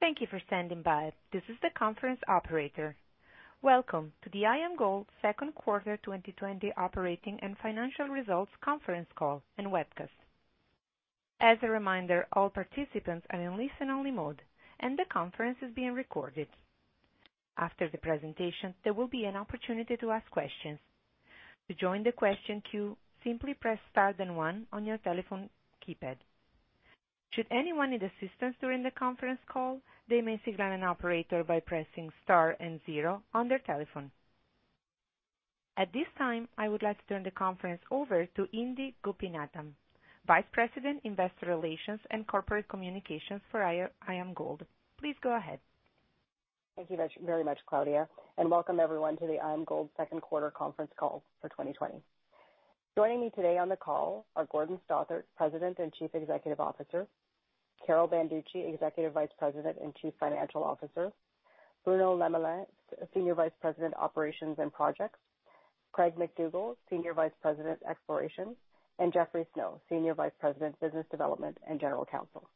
Thank you for standing by. This is the conference operator. Welcome to the IAMGOLD second quarter 2020 operating and financial results conference call and webcast. As a reminder, all participants are in listen-only mode, and the conference is being recorded. After the presentation, there will be an opportunity to ask questions. To join the question queue, simply press star then one on your telephone keypad. Should anyone need assistance during the conference call, they may signal an operator by pressing star and zero on their telephone. At this time, I would like to turn the conference over to Indi Gopinathan, Vice President, Investor Relations and Corporate Communications for IAMGOLD. Please go ahead. Thank you very much, Claudia, and welcome everyone to the IAMGOLD second quarter conference call for 2020. Joining me today on the call are Gordon Stothart, President and Chief Executive Officer, Carol Banducci, Executive Vice President and Chief Financial Officer, Bruno Lemelin, Senior Vice President, Operations and Projects, Craig MacDougall, Senior Vice President, Exploration, and Jeffrey Snow, Senior Vice President, Business Development and General Counsel.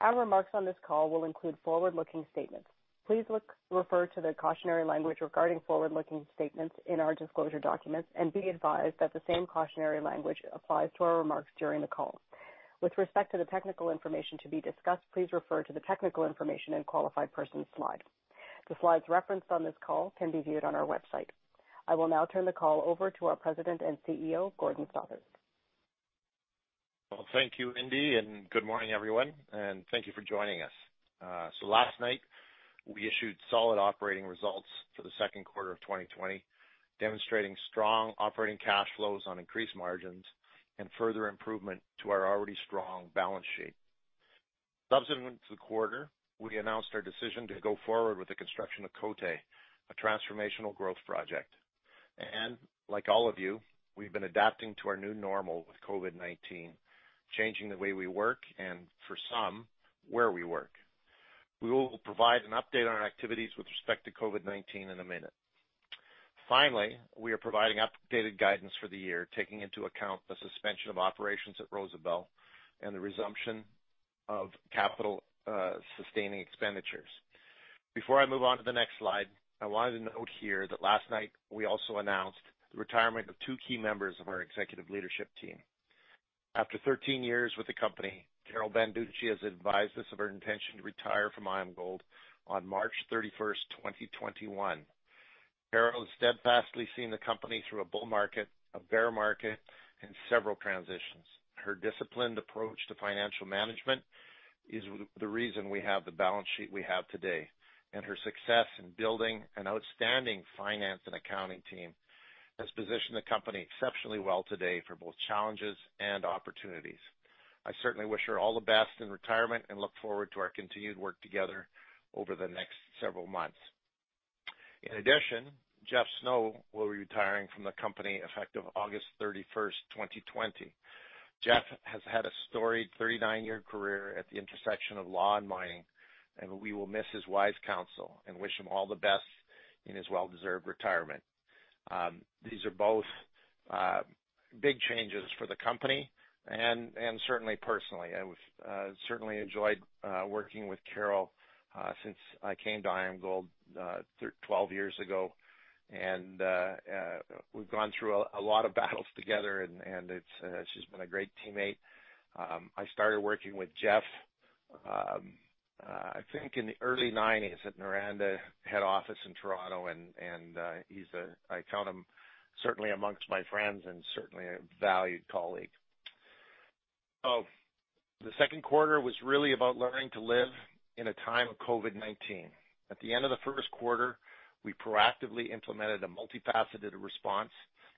Our remarks on this call will include forward-looking statements. Please refer to the cautionary language regarding forward-looking statements in our disclosure documents, and be advised that the same cautionary language applies to our remarks during the call. With respect to the technical information to be discussed, please refer to the technical information and qualified persons slide. The slides referenced on this call can be viewed on our website. I will now turn the call over to our President and Chief Executive Officer, Gordon Stothart. Well, thank you, Indi. Good morning, everyone. Thank you for joining us. Last night, we issued solid operating results for the second quarter of 2020, demonstrating strong operating cash flows on increased margins and further improvement to our already strong balance sheet. Subsequent to the quarter, we announced our decision to go forward with the construction of Côté, a transformational growth project. Like all of you, we've been adapting to our new normal with COVID-19, changing the way we work, and for some, where we work. We will provide an update on our activities with respect to COVID-19 in a minute. Finally, we are providing updated guidance for the year, taking into account the suspension of operations at Rosebel and the resumption of capital sustaining expenditures. Before I move on to the next slide, I wanted to note here that last night we also announced the retirement of two key members of our executive leadership team. After 13 years with the company, Carol Banducci has advised us of her intention to retire from IAMGOLD on March 31st, 2021. Carol has steadfastly seen the company through a bull market, a bear market, and several transitions. Her disciplined approach to financial management is the reason we have the balance sheet we have today, and her success in building an outstanding finance and accounting team has positioned the company exceptionally well today for both challenges and opportunities. I certainly wish her all the best in retirement and look forward to our continued work together over the next several months. In addition, Jeff Snow will be retiring from the company effective August 31st, 2020. Jeff has had a storied 39-year career at the intersection of law and mining, and we will miss his wise counsel and wish him all the best in his well-deserved retirement. These are both big changes for the company and certainly personally. I certainly enjoyed working with Carol since I came to IAMGOLD 12 years ago, and we've gone through a lot of battles together, and she's been a great teammate. I started working with Jeff I think in the early 1990s at Miranda head office in Toronto, and I count him certainly amongst my friends and certainly a valued colleague. The second quarter was really about learning to live in a time of COVID-19. At the end of the first quarter, we proactively implemented a multifaceted response,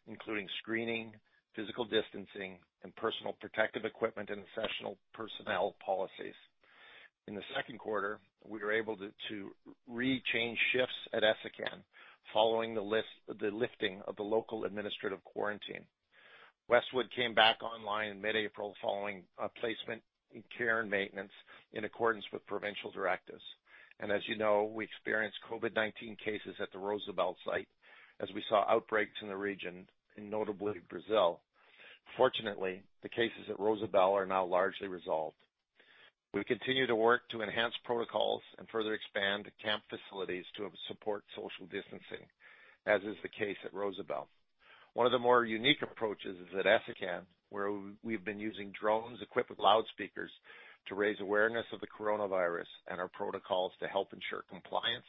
including screening, physical distancing, and personal protective equipment, and exceptional personnel policies. In the second quarter, we were able to re-change shifts at Essakane following the lifting of the local administrative quarantine. Westwood came back online in mid-April following a placement in care and maintenance in accordance with provincial directives. As you know, we experienced COVID-19 cases at the Rosebel site as we saw outbreaks in the region, and notably Brazil. Fortunately, the cases at Rosebel are now largely resolved. We continue to work to enhance protocols and further expand camp facilities to support social distancing, as is the case at Rosebel. One of the more unique approaches is at Essakane, where we've been using drones equipped with loudspeakers to raise awareness of the coronavirus and our protocols to help ensure compliance.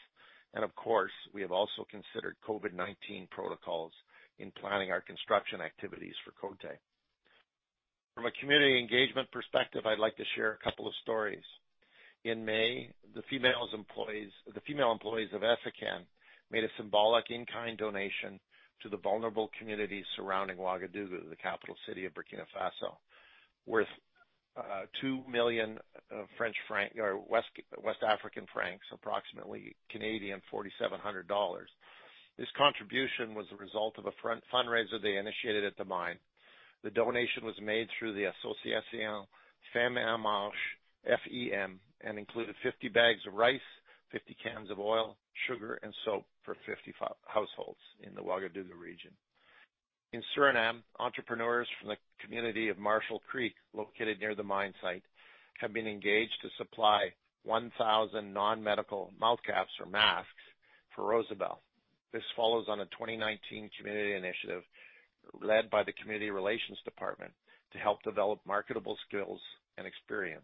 Of course, we have also considered COVID-19 protocols in planning our construction activities for Côté. From a community engagement perspective, I'd like to share a couple of stories. In May, the female employees of Essakane made a symbolic in-kind donation to the vulnerable communities surrounding Ouagadougou, the capital city of Burkina Faso, worth 2 million West African francs, approximately 4,700 Canadian dollars. This contribution was a result of a fundraiser they initiated at the mine. The donation was made through the Association Femmes en Marche, FEM, and included 50 bags of rice, 50 cans of oil, sugar, and soap for 50 households in the Ouagadougou region. In Suriname, entrepreneurs from the community of Marshallkreek, located near the mine site, have been engaged to supply 1,000 non-medical mouth caps or masks for Rosebel. This follows on a 2019 community initiative led by the community relations department to help develop marketable skills and experience.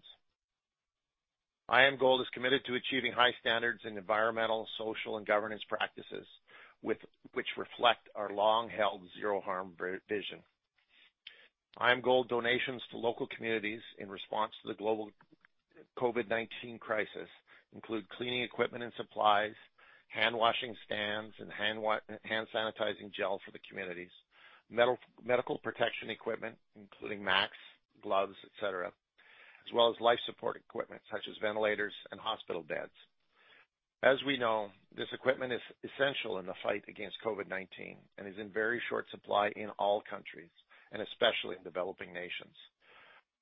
IAMGOLD is committed to achieving high standards in environmental, social, and governance practices, which reflect our long-held zero harm vision. IAMGOLD donations to local communities in response to the global COVID-19 crisis include cleaning equipment and supplies, handwashing stands, and hand sanitizing gel for the communities, medical protection equipment, including masks, gloves, et cetera, as well as life support equipment such as ventilators and hospital beds. As we know, this equipment is essential in the fight against COVID-19 and is in very short supply in all countries, and especially in developing nations.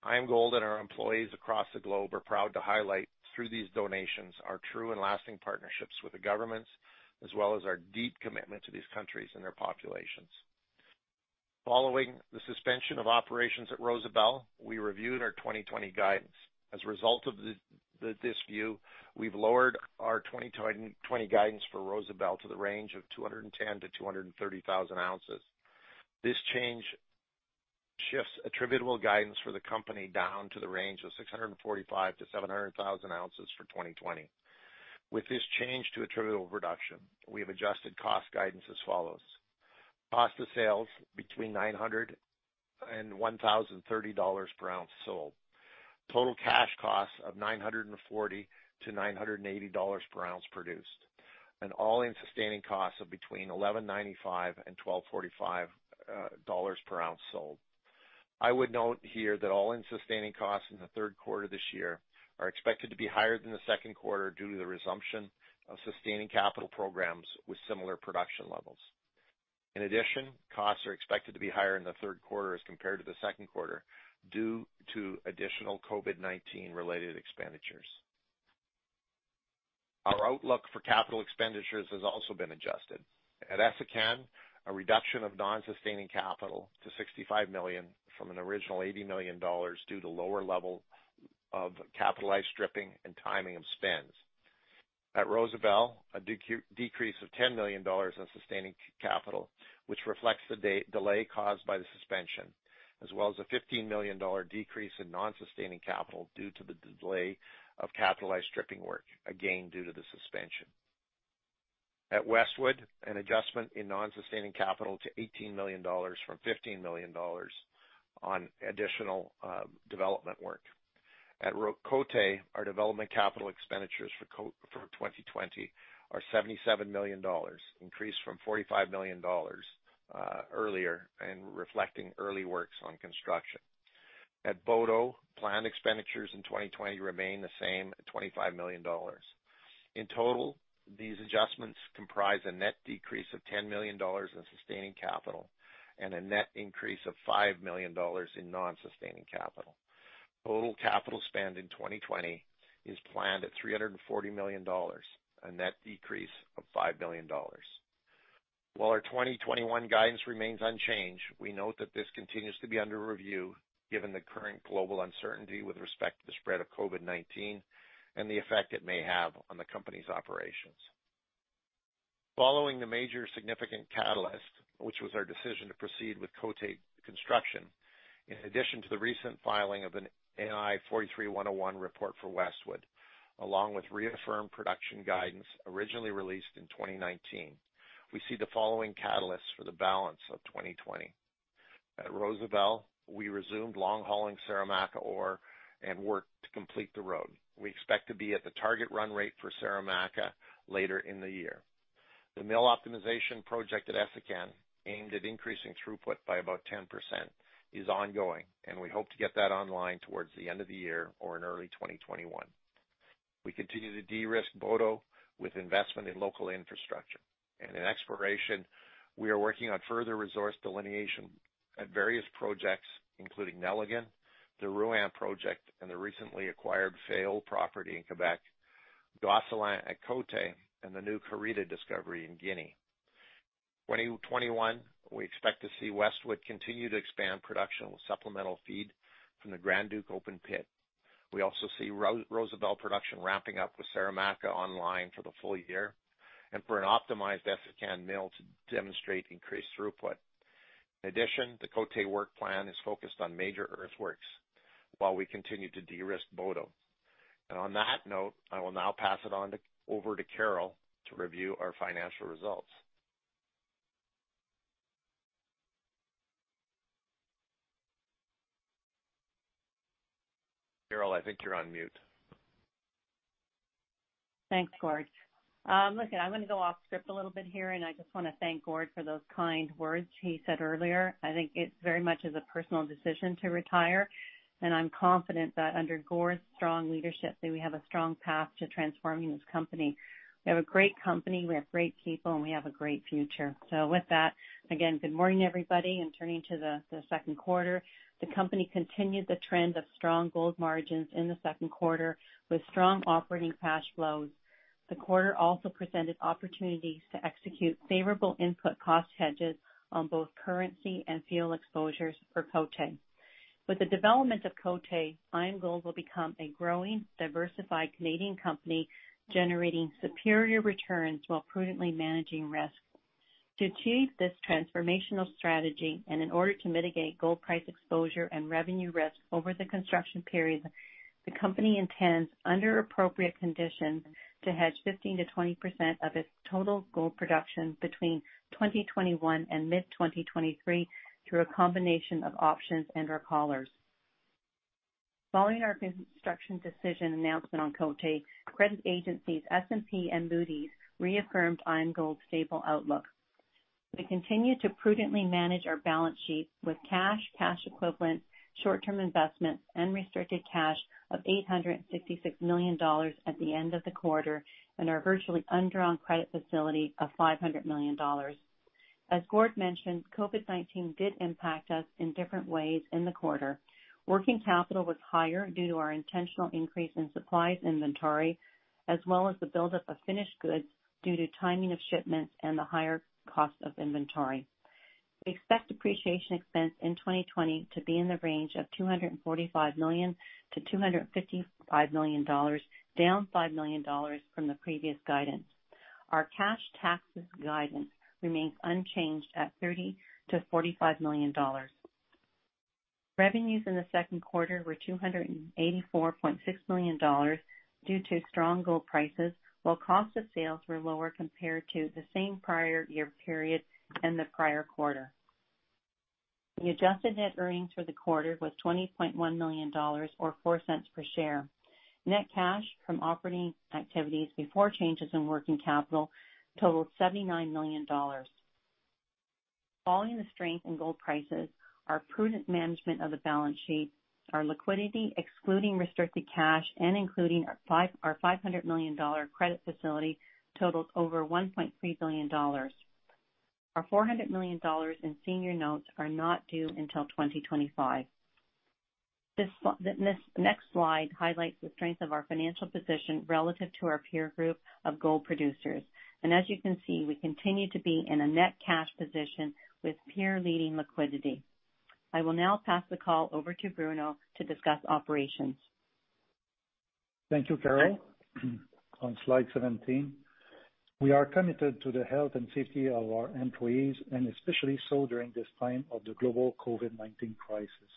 IAMGOLD and our employees across the globe are proud to highlight through these donations our true and lasting partnerships with the governments, as well as our deep commitment to these countries and their populations. Following the suspension of operations at Rosebel, we reviewed our 2020 guidance. As a result of this view, we have lowered our 2020 guidance for Rosebel to the range of 210,000 oz-230,000 oz. This change shifts attributable guidance for the company down to the range of 645,000 oz-700,000 oz for 2020. With this change to attributable reduction, we have adjusted cost guidance as follows. Cost of sales between $900 and $1,030 per oz sold, total cash costs of $940-$980 per oz produced, and all-in sustaining costs of between $1,195 and $1,245 per oz sold. I would note here that all-in sustaining costs in the third quarter of this year are expected to be higher than the second quarter due to the resumption of sustaining capital programs with similar production levels. In addition, costs are expected to be higher in the third quarter as compared to the second quarter due to additional COVID-19 related expenditures. Our outlook for capital expenditures has also been adjusted. At Essakane, a reduction of non-sustaining capital to 65 million from an original 80 million dollars due to lower level of capitalized stripping and timing of spends. At Rosebel, a decrease of 10 million dollars in sustaining capital, which reflects the delay caused by the suspension, as well as a 15 million dollar decrease in non-sustaining capital due to the delay of capitalized stripping work, again, due to the suspension. At Westwood, an adjustment in non-sustaining capital to 18 million dollars from 15 million dollars on additional development work. At Côté, our development capital expenditures for 2020 are 77 million dollars, increased from 45 million dollars earlier and reflecting early works on construction. At Boto, planned expenditures in 2020 remain the same at 25 million dollars. In total, these adjustments comprise a net decrease of 10 million dollars in sustaining capital and a net increase of 5 million dollars in non-sustaining capital. Total capital spend in 2020 is planned at 340 million dollars, a net decrease of 5 million dollars. While our 2021 guidance remains unchanged, we note that this continues to be under review given the current global uncertainty with respect to the spread of COVID-19 and the effect it may have on the company's operations. Following the major significant catalyst, which was our decision to proceed with Côté construction, in addition to the recent filing of an NI 43-101 report for Westwood, along with reaffirmed production guidance originally released in 2019, we see the following catalysts for the balance of 2020. At Rosebel, we resumed long-hauling Saramacca ore and worked to complete the road. We expect to be at the target run rate for Saramacca later in the year. The mill optimization project at Essakane, aimed at increasing throughput by about 10%, is ongoing, and we hope to get that online towards the end of the year or in early 2021. We continue to de-risk Boto with investment in local infrastructure. In exploration, we are working on further resource delineation at various projects, including Nelligan, the Rouyn project, and the recently acquired Fayolle property in Québec, Gosselin at Côté, and the new Karita discovery in Guinea. 2021, we expect to see Westwood continue to expand production with supplemental feed from the Grand Duc open pit. We also see Rosebel production ramping up with Saramacca online for the full year, and for an optimized Essakane mill to demonstrate increased throughput. In addition, the Côté work plan is focused on major earthworks while we continue to de-risk Boto. On that note, I will now pass it over to Carol to review our financial results. Carol, I think you're on mute. Thanks, Gord. Listen, I'm going to go off script a little bit here, and I just want to thank Gord for those kind words he said earlier. I think it very much is a personal decision to retire, and I'm confident that under Gord's strong leadership that we have a strong path to transforming this company. We have a great company, we have great people, and we have a great future. With that, again, good morning, everybody, and turning to the second quarter. The company continued the trend of strong gold margins in the second quarter with strong operating cash flows. The quarter also presented opportunities to execute favorable input cost hedges on both currency and fuel exposures for Côté. With the development of Côté, IAMGOLD will become a growing, diversified Canadian company, generating superior returns while prudently managing risk. To achieve this transformational strategy, and in order to mitigate gold price exposure and revenue risk over the construction period, the company intends, under appropriate conditions, to hedge 15%-20% of its total gold production between 2021 and mid-2023 through a combination of options and/or callers. Following our construction decision announcement on Côté, credit agencies S&P and Moody's reaffirmed IAMGOLD stable outlook. We continue to prudently manage our balance sheet with cash equivalents, short-term investments, and restricted cash of $856 million at the end of the quarter, and our virtually undrawn credit facility of $500 million. As Gord mentioned, COVID-19 did impact us in different ways in the quarter. Working capital was higher due to our intentional increase in supplies inventory, as well as the buildup of finished goods due to timing of shipments and the higher cost of inventory. We expect depreciation expense in 2020 to be in the range of $245 million-$255 million, down $5 million from the previous guidance. Our cash taxes guidance remains unchanged at $30 million-$45 million. Revenues in the second quarter were $284.6 million due to strong gold prices, while cost of sales were lower compared to the same prior year period and the prior quarter. The adjusted net earnings for the quarter was $20.1 million, or $0.04 per share. Net cash from operating activities before changes in working capital totaled $79 million. Following the strength in gold prices, our prudent management of the balance sheet, our liquidity, excluding restricted cash and including our $500 million credit facility, totals over $1.3 billion. Our $400 million in senior notes are not due until 2025. This next slide highlights the strength of our financial position relative to our peer group of gold producers. As you can see, we continue to be in a net cash position with peer-leading liquidity. I will now pass the call over to Bruno to discuss operations. Thank you, Carol. On slide 17, we are committed to the health and safety of our employees, and especially so during this time of the global COVID-19 crisis.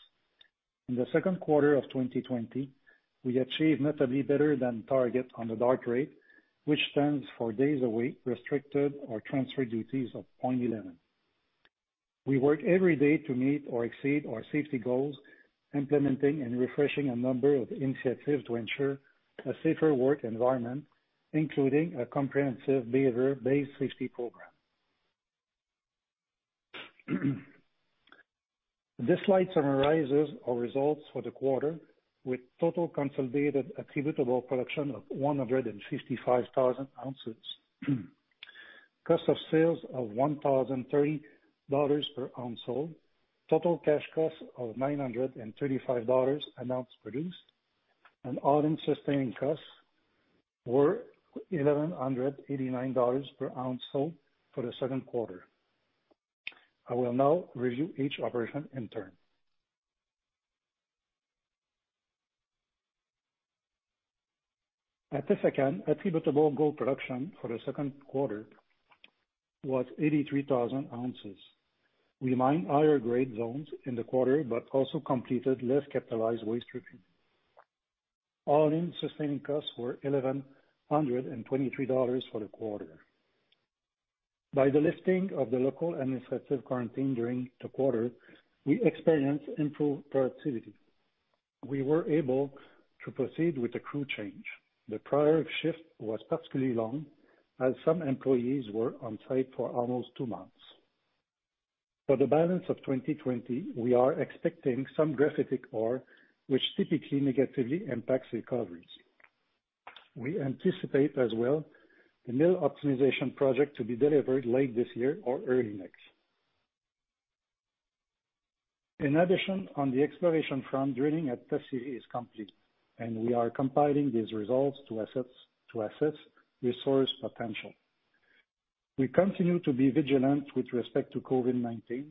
In the second quarter of 2020, we achieved notably better than target on the DART rate, which stands for Days Away, Restricted or Transfer Duties of 0.11. We work every day to meet or exceed our safety goals, implementing and refreshing a number of initiatives to ensure a safer work environment, including a comprehensive behavior-based safety program. This slide summarizes our results for the quarter, with total consolidated attributable production of 155,000 oz. Cost of sales of 1,030 dollars per oz sold, total cash cost of 935 dollars an ounce produced, and all-in sustaining costs were 1,189 dollars per oz sold for the second quarter. I will now review each operation in turn. At Essakane, attributable gold production for the second quarter was 83,000 oz. We mined higher-grade zones in the quarter, but also completed less capitalized waste stripping. All-in sustaining costs were 1,123 dollars for the quarter. By the lifting of the local administrative quarantine during the quarter, we experienced improved productivity. We were able to proceed with the crew change. The prior shift was particularly long, as some employees were on-site for almost two months. For the balance of 2020, we are expecting some graphitic ore, which typically negatively impacts recoveries. We anticipate as well the mill optimization project to be delivered late this year or early next. In addition, on the exploration front, drilling at Tasi is complete, and we are compiling these results to assess resource potential. We continue to be vigilant with respect to COVID-19,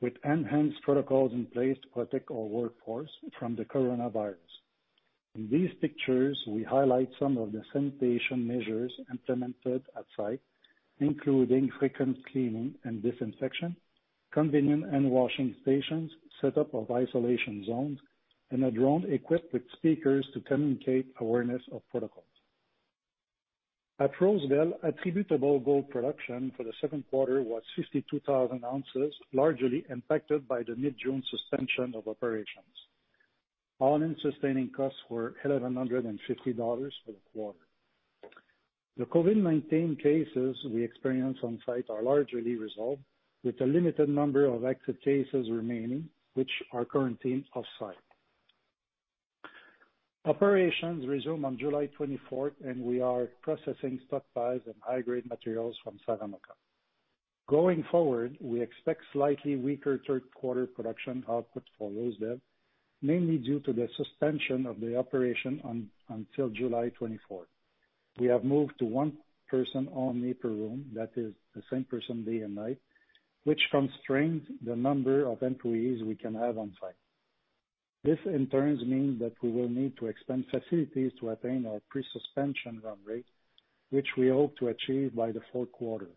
with enhanced protocols in place to protect our workforce from the coronavirus. In these pictures, we highlight some of the sanitation measures implemented at site, including frequent cleaning and disinfection, convenient handwashing stations, set up of isolation zones, and a drone equipped with speakers to communicate awareness of protocols. At Rosebel, attributable gold production for the second quarter was 62,000 oz, largely impacted by the mid-June suspension of operations. All-in sustaining costs were 1,150 dollars for the quarter. The COVID-19 cases we experienced on-site are largely resolved, with a limited number of active cases remaining, which are quarantined off-site. Operations resumed on July 24th, and we are processing stockpiles and high-grade materials from Saramaka. Going forward, we expect slightly weaker third quarter production output for Rosebel, mainly due to the suspension of the operation until July 24th. We have moved to one person only per room, that is the same person day and night, which constrains the number of employees we can have on site. This, in turn, means that we will need to expand facilities to attain our pre-suspension run rate, which we hope to achieve by the fourth quarter.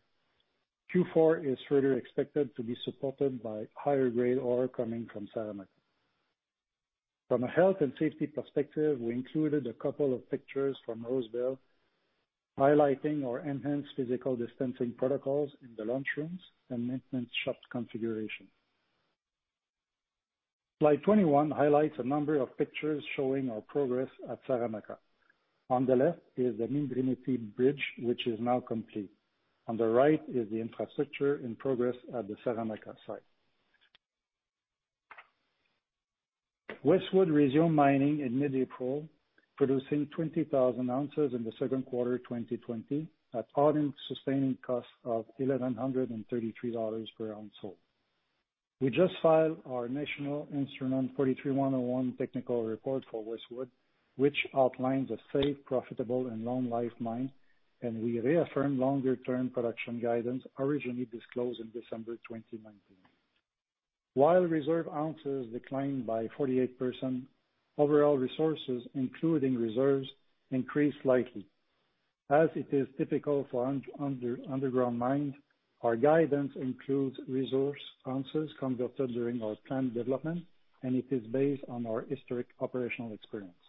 Q4 is further expected to be supported by higher grade ore coming from Saramacca. From a health and safety perspective, we included a couple of pictures from Rosebel highlighting our enhanced physical distancing protocols in the lunchrooms and maintenance shop configuration. Slide 21 highlights a number of pictures showing our progress at Saramacca. On the left is the new Gran Tienie Bridge, which is now complete. On the right is the infrastructure in progress at the Saramacca site. Westwood resumed mining in mid-April, producing 20,000 oz in the second quarter 2020 at all-in sustaining costs of 1,133 dollars per ounce sold. We just filed our National Instrument 43-101 technical report for Westwood, which outlines a safe, profitable, and long life mine, and we reaffirm longer-term production guidance originally disclosed in December 2019. While reserve ounces declined by 48%, overall resources, including reserves, increased slightly. As it is typical for underground mine, our guidance includes reserve ounces converted during our planned development, and it is based on our historic operational experience.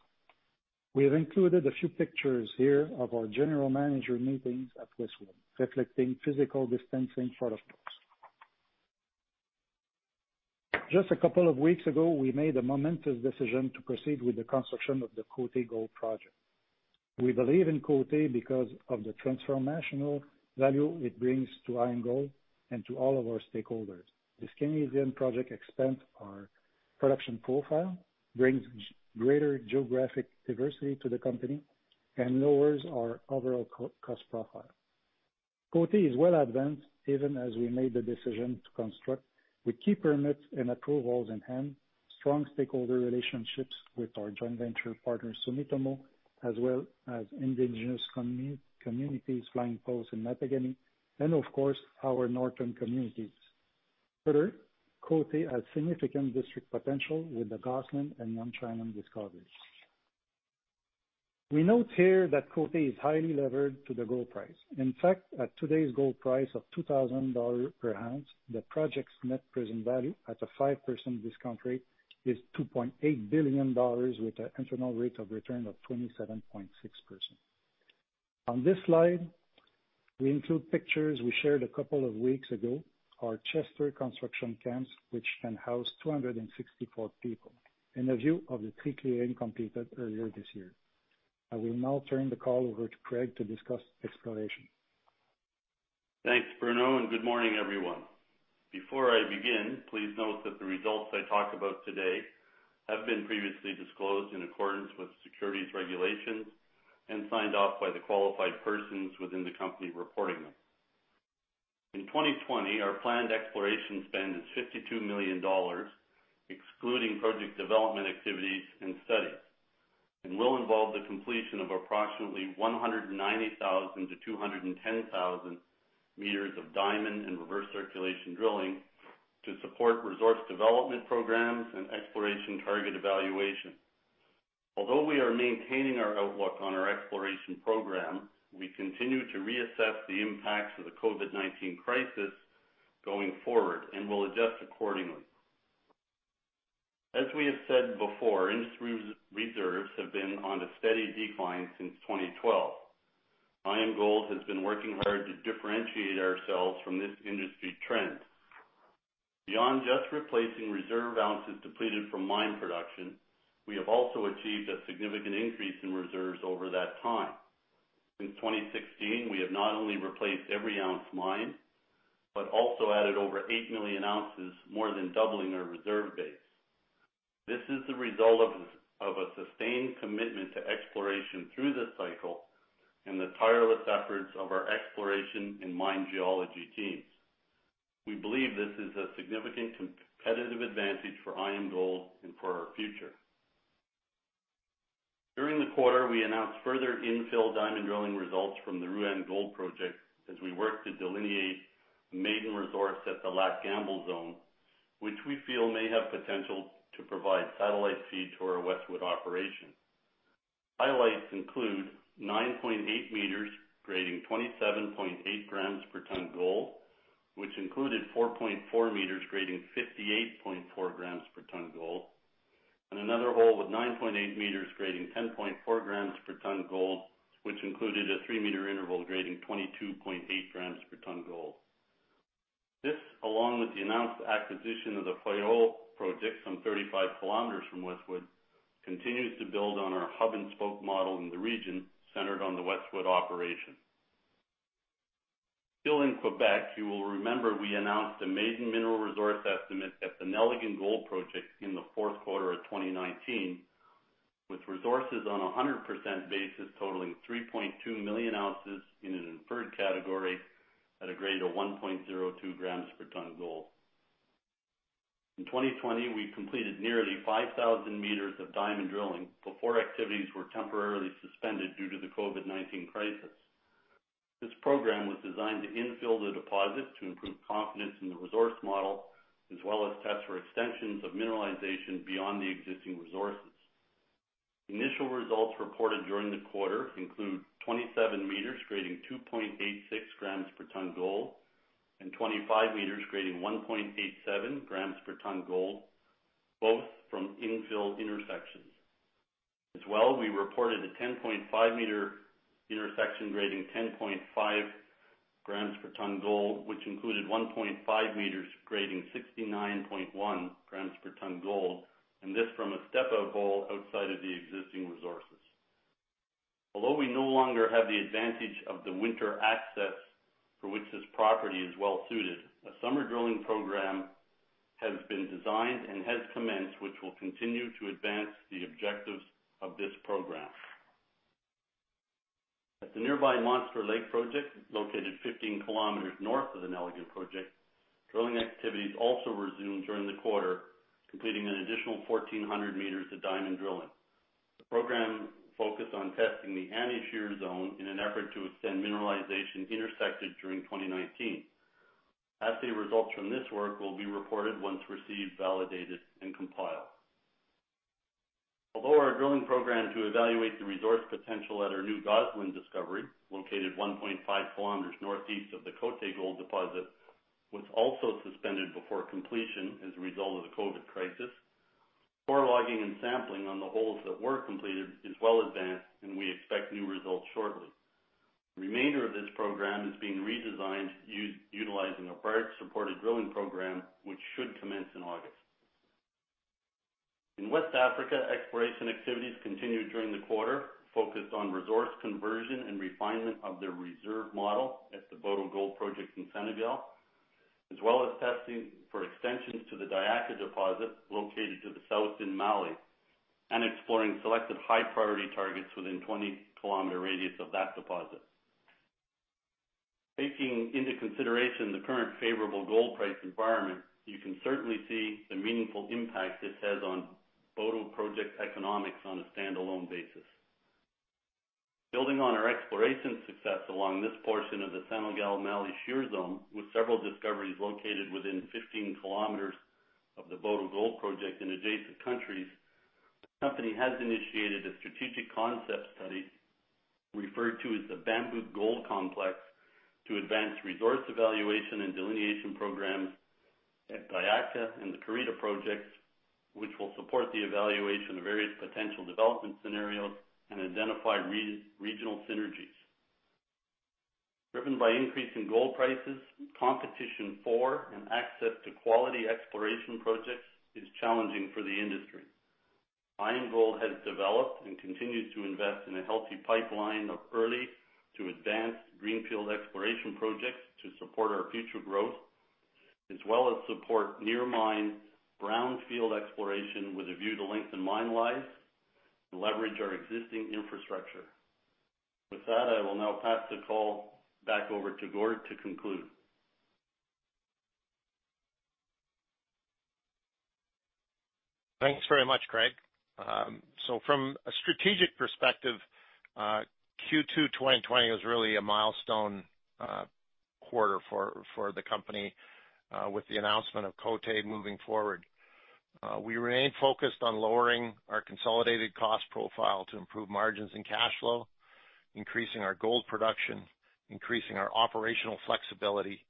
We have included a few pictures here of our general manager meetings at Westwood, reflecting physical distancing protocols. Just a couple of weeks ago, we made a momentous decision to proceed with the construction of the Côté Gold Project. We believe in Côté because of the transformational value it brings to IAMGOLD and to all of our stakeholders. This Canadian project expands our production profile, brings greater geographic diversity to the company, and lowers our overall cost profile. Côté is well advanced, even as we made the decision to construct with key permits and approvals in hand, strong stakeholder relationships with our joint venture partner, Sumitomo, as well as Indigenous communities, Flying Post in Mattagami, and of course, our northern communities. Further, Côté has significant district potential with the Gosselin and Montagnon discoveries. We note here that Côté is highly levered to the gold price. In fact, at today's gold price of $2,000 per oz, the project's net present value at a 5% discount rate is $2.8 billion with an internal rate of return of 27.6%. On this slide, we include pictures we shared a couple of weeks ago, our Chester construction camps, which can house 264 people, and a view of the tree clearing completed earlier this year. I will now turn the call over to Craig to discuss exploration. Thanks, Bruno, and good morning, everyone. Before I begin, please note that the results I talk about today have been previously disclosed in accordance with securities regulations and signed off by the qualified persons within the company reporting them. In 2020, our planned exploration spend is 52 million dollars, excluding project development activities and studies, and will involve the completion of approximately 190,000 to 210,000 meters of diamond and reverse circulation drilling to support resource development programs and exploration target evaluation. Although we are maintaining our outlook on our exploration program, we continue to reassess the impacts of the COVID-19 crisis going forward and will adjust accordingly. As we have said before, industry reserves have been on a steady decline since 2012. IAMGOLD has been working hard to differentiate ourselves from this industry trend. Beyond just replacing reserve ounces depleted from mine production, we have also achieved a significant increase in reserves over that time. Since 2016, we have not only replaced every ounce mined but also added over 8 million oz, more than doubling our reserve base. This is the result of a sustained commitment to exploration through this cycle and the tireless efforts of our exploration and mine geology teams. We believe this is a significant competitive advantage for IAMGOLD and for our future. During the quarter, we announced further infill diamond drilling results from the Rouyn Gold Project as we work to delineate maiden resource at the Lac Gamble zone, which we feel may have potential to provide satellite feed to our Westwood operation. Highlights include 9.8 m grading 27.8 g per tonne gold, which included 4.4 m grading 58.4 g per tonne gold, and another hole with 9.8 m grading 10.4 g per tonne gold, which included a 3 m interval grading 22.8 g per tonne gold. This, along with the announced acquisition of the Fayolle project some 35 km from Westwood, continues to build on our hub-and-spoke model in the region centered on the Westwood operation. Still in Quebec, you will remember we announced a maiden mineral resource estimate at the Nelligan Gold Project in the fourth quarter of 2019. With resources on 100% basis totaling 3.2 million oz in an inferred category at a grade of 1.02 g per tonne gold. In 2020, we completed nearly 5,000 meters of diamond drilling before activities were temporarily suspended due to the COVID-19 crisis. This program was designed to infill the deposit to improve confidence in the resource model, as well as test for extensions of mineralization beyond the existing resources. Initial results reported during the quarter include 27 m grading 2.86 g per ton gold and 25 m grading 1.87 g per ton gold, both from infill intersections. As well, we reported a 10.5 m intersection grading 10.5 g per ton gold, which included 1.5 m grading 69.1 g per ton gold, and this from a step-out hole outside of the existing resources. Although we no longer have the advantage of the winter access for which this property is well-suited, a summer drilling program has been designed and has commenced, which will continue to advance the objectives of this program. At the nearby Monster Lake project, located 15 km north of the Nelligan project, drilling activities also resumed during the quarter, completing an additional 1,400 m of diamond drilling. The program focused on testing the Annie Shear Zone in an effort to extend mineralization intersected during 2019. Assay results from this work will be reported once received, validated and compiled. Our drilling program to evaluate the resource potential at our new Gosselin discovery, located 1.5 km northeast of the Côté gold deposit, was also suspended before completion as a result of the COVID-19 crisis, core logging and sampling on the holes that were completed is well advanced, and we expect new results shortly. The remainder of this program is being redesigned utilizing a barge-supported drilling program, which should commence in August. In West Africa, exploration activities continued during the quarter, focused on resource conversion and refinement of their reserve model at the Boto Gold Project in Senegal, as well as testing for extensions to the Diakha deposit located to the south in Mali and exploring selected high-priority targets within 20-kilometer radius of that deposit. Taking into consideration the current favorable gold price environment, you can certainly see the meaningful impact this has on Boto project economics on a standalone basis. Building on our exploration success along this portion of the Senegal-Mali Shear Zone, with several discoveries located within 15 km of the Boto Gold Project in adjacent countries, the company has initiated a strategic concept study referred to as the Bambouk Gold Complex to advance resource evaluation and delineation programs at Diakha and the Karita projects, which will support the evaluation of various potential development scenarios and identify regional synergies. Driven by increasing gold prices, competition for and access to quality exploration projects is challenging for the industry. IAMGOLD has developed and continues to invest in a healthy pipeline of early to advanced greenfield exploration projects to support our future growth, as well as support near mine, brownfield exploration with a view to lengthen mine life and leverage our existing infrastructure. With that, I will now pass the call back over to Gord to conclude. Thanks very much, Craig. From a strategic perspective, Q2 2020 was really a milestone quarter for the company with the announcement of Côté moving forward. We remain focused on lowering our consolidated cost profile to improve margins and cash flow, increasing our gold production, increasing our operational flexibility,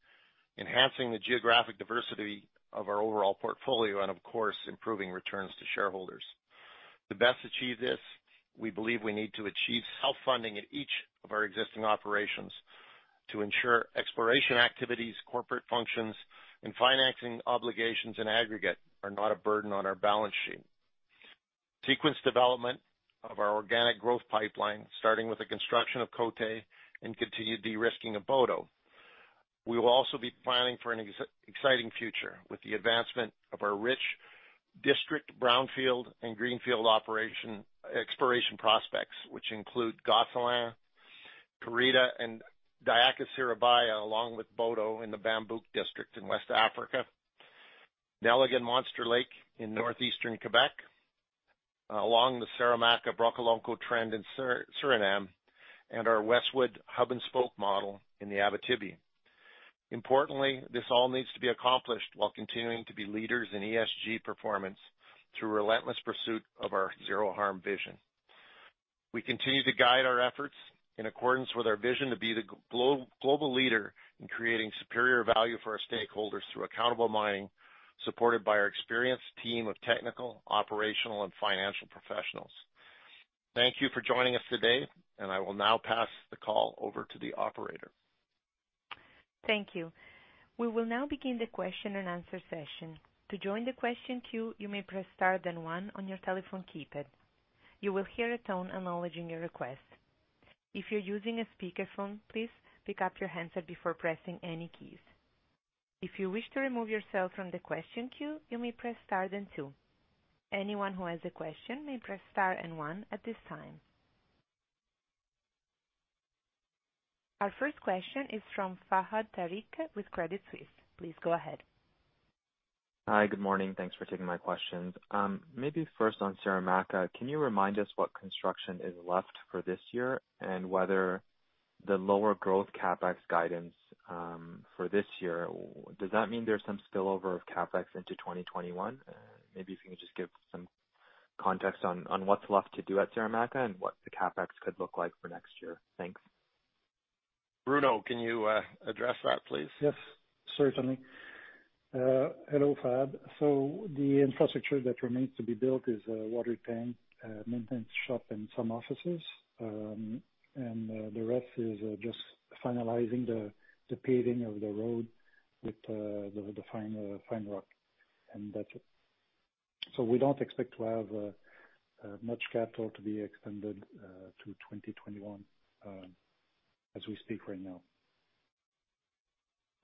enhancing the geographic diversity of our overall portfolio, and of course, improving returns to shareholders. To best achieve this, we believe we need to achieve self-funding at each of our existing operations to ensure exploration activities, corporate functions, and financing obligations in aggregate are not a burden on our balance sheet, and sequenced development of our organic growth pipeline, starting with the construction of Côté and continued de-risking of Boto. We will also be planning for an exciting future with the advancement of our rich district brownfield and greenfield exploration prospects, which include Gosselin, Karita, and Diakha-Siribaya, along with Boto in the Bambouk district in West Africa, Nelligan-Monster Lake in northeastern Quebec, along the Saramacca-Brokolonko trend in Suriname, and our Westwood hub-and-spoke model in the Abitibi. Importantly, this all needs to be accomplished while continuing to be leaders in ESG performance through relentless pursuit of our zero harm vision. We continue to guide our efforts in accordance with our vision to be the global leader in creating superior value for our stakeholders through accountable mining, supported by our experienced team of technical, operational, and financial professionals. Thank you for joining us today, and I will now pass the call over to the operator. Thank you. We will now begin the question and answer session. To join the question queue, you may press star then one on your telephone keypad. You will hear a tone acknowledging your request. If you're using a speakerphone, please pick up your handset before pressing any keys. If you wish to remove yourself from the question queue, you may press star then two. Anyone who has a question may press star and one at this time. Our first question is from Fahad Tariq with Credit Suisse. Please go ahead. Hi. Good morning. Thanks for taking my questions. Maybe first on Saramacca, can you remind us what construction is left for this year and whether the lower growth CapEx guidance for this year, does that mean there's some spillover of CapEx into 2021? Maybe if you could just give some context on what's left to do at Saramacca and what the CapEx could look like for next year. Thanks. Bruno, can you address that, please? Yes, certainly. Hello, Fahad. The infrastructure that remains to be built is a water tank, maintenance shop, and some offices. The rest is just finalizing the paving of the road with the final fine rock, and that's it. We don't expect to have much capital to be extended to 2021 as we speak right now.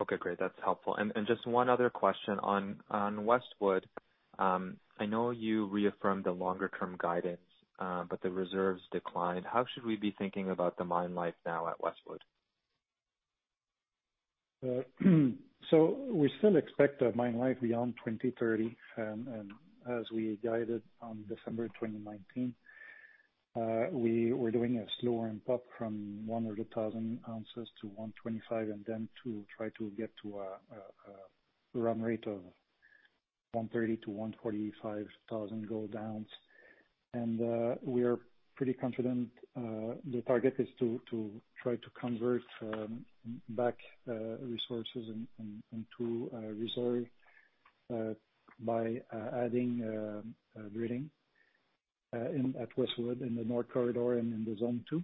Okay, great. That's helpful. Just one other question. On Westwood, I know you reaffirmed the longer term guidance, but the reserves declined. How should we be thinking about the mine life now at Westwood? We still expect a mine life beyond 2030, and as we guided on December 2019, we were doing a slower input from 100,000-125,000 oz, and then to try to get to a run rate of 130,000-145,000 gold oz. We are pretty confident. The target is to try to convert back resources into reserve by adding grading at Westwood in the north corridor and in the zone 2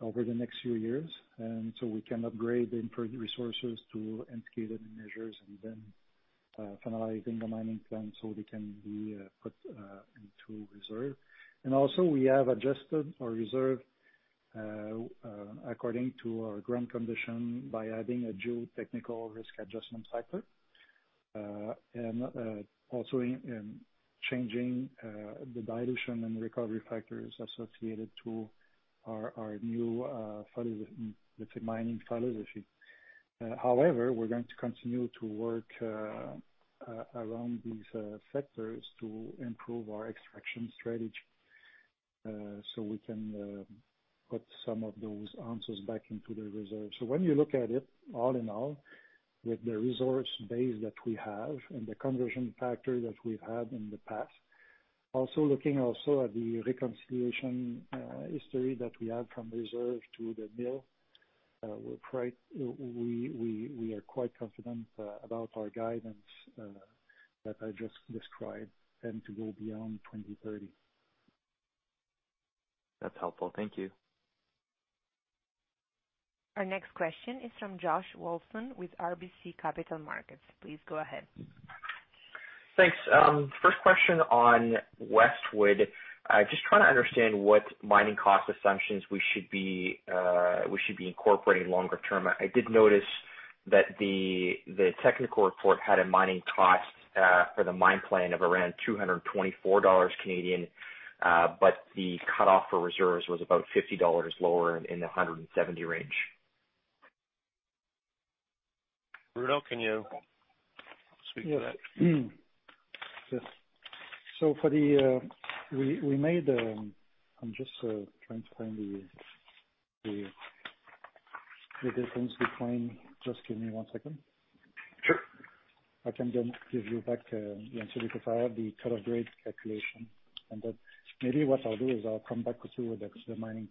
over the next few years. We can upgrade the inferred resources to indicated measures and then finalizing the mining plan so they can be put into reserve. Also we have adjusted our reserve according to our ground condition by adding a geotechnical risk adjustment factor. Also in changing the dilution and recovery factors associated to our new mining philosophy. We're going to continue to work around these factors to improve our extraction strategy, so we can put some of those ounces back into the reserve. When you look at it, all in all, with the resource base that we have and the conversion factor that we've had in the past, also looking at the reconciliation history that we have from reserve to the mill, we are quite confident about our guidance, that I just described, and to go beyond 2030. That's helpful. Thank you. Our next question is from Josh Wolfson with RBC Capital Markets. Please go ahead. Thanks. First question on Westwood. Just trying to understand what mining cost assumptions we should be incorporating longer term. I did notice that the technical report had a mining cost, for the mine plan of around 224 Canadian dollars, but the cutoff for reserves was about 50 dollars lower in the 170 range. Bruno, can you speak to that? Yes. I'm just trying to find the difference between. Just give me one second. Sure. I can then give you back the answer, because I have the cut-off grade calculation and that. Maybe what I'll do is I'll come back to you with the mining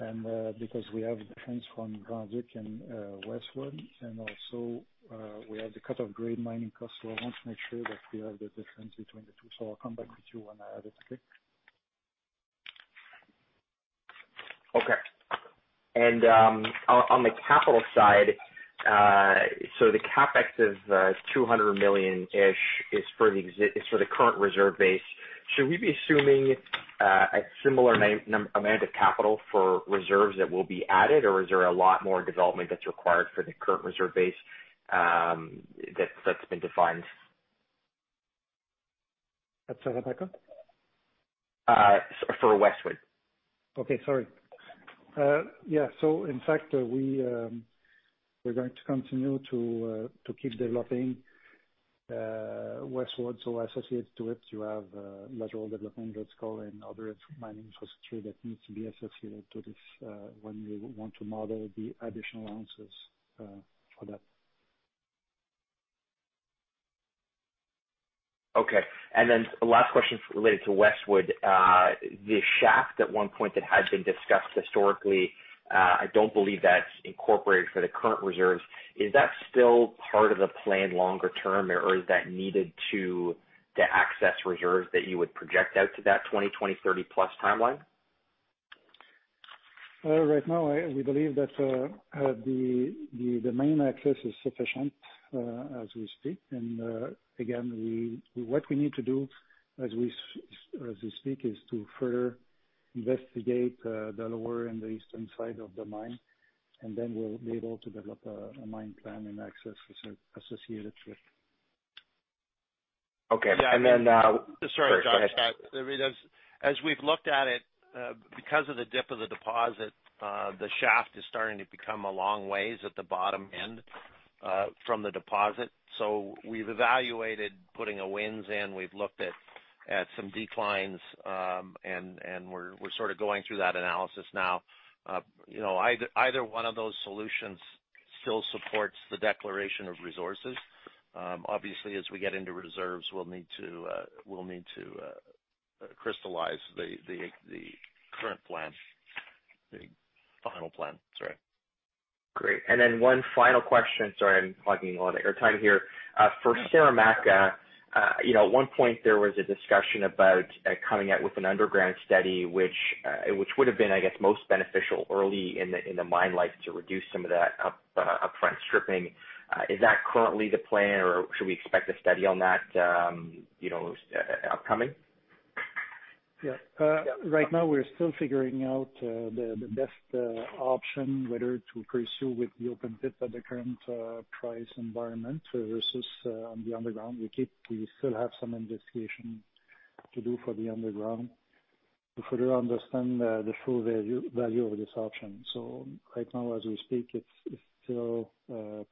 cost. Because we have difference from Grand Duc and Westwood, and also we have the cut-off grade mining cost, I want to make sure that we have the difference between the two. I'll come back with you when I have it, okay? Okay. On the capital side, the CapEx of 200 million-ish is for the current reserve base. Should we be assuming a similar amount of capital for reserves that will be added, or is there a lot more development that's required for the current reserve base that's been defined? At Saramacca? For Westwood. Okay, sorry. Yeah. In fact, we're going to continue to keep developing Westwood. Associated to it, you have lateral development, let's call, and other mining infrastructure that needs to be associated to this, when we want to model the additional ounces for that. Okay. Last question related to Westwood. The shaft at one point that had been discussed historically, I don't believe that's incorporated for the current reserves. Is that still part of the plan longer term, or is that needed to access reserves that you would project out to that 2030 plus timeline? Right now, we believe that the main access is sufficient as we speak. Again, what we need to do as we speak is to further investigate the lower and the eastern side of the mine, and then we'll be able to develop a mine plan and access associated with. Okay. Yeah, I mean Sorry. Go ahead. As we've looked at it, because of the dip of the deposit, the shaft is starting to become a long ways at the bottom end from the deposit. We've evaluated putting a winze in. We've looked at some declines, and we're sort of going through that analysis now. Either one of those solutions still supports the declaration of resources. Obviously, as we get into reserves, we'll need to crystallize the current plan, the final plan. Sorry. Great. Then one final question. Sorry, I'm hogging a lot of your time here. For Saramacca, at one point there was a discussion about coming out with an underground study, which would have been, I guess, most beneficial early in the mine life to reduce some of that upfront stripping. Is that currently the plan, or should we expect a study on that upcoming? Yeah. Right now, we're still figuring out the best option whether to pursue with the open pit at the current price environment versus on the underground. We still have some investigation to do for the underground to further understand the full value of this option. Right now as we speak, it's still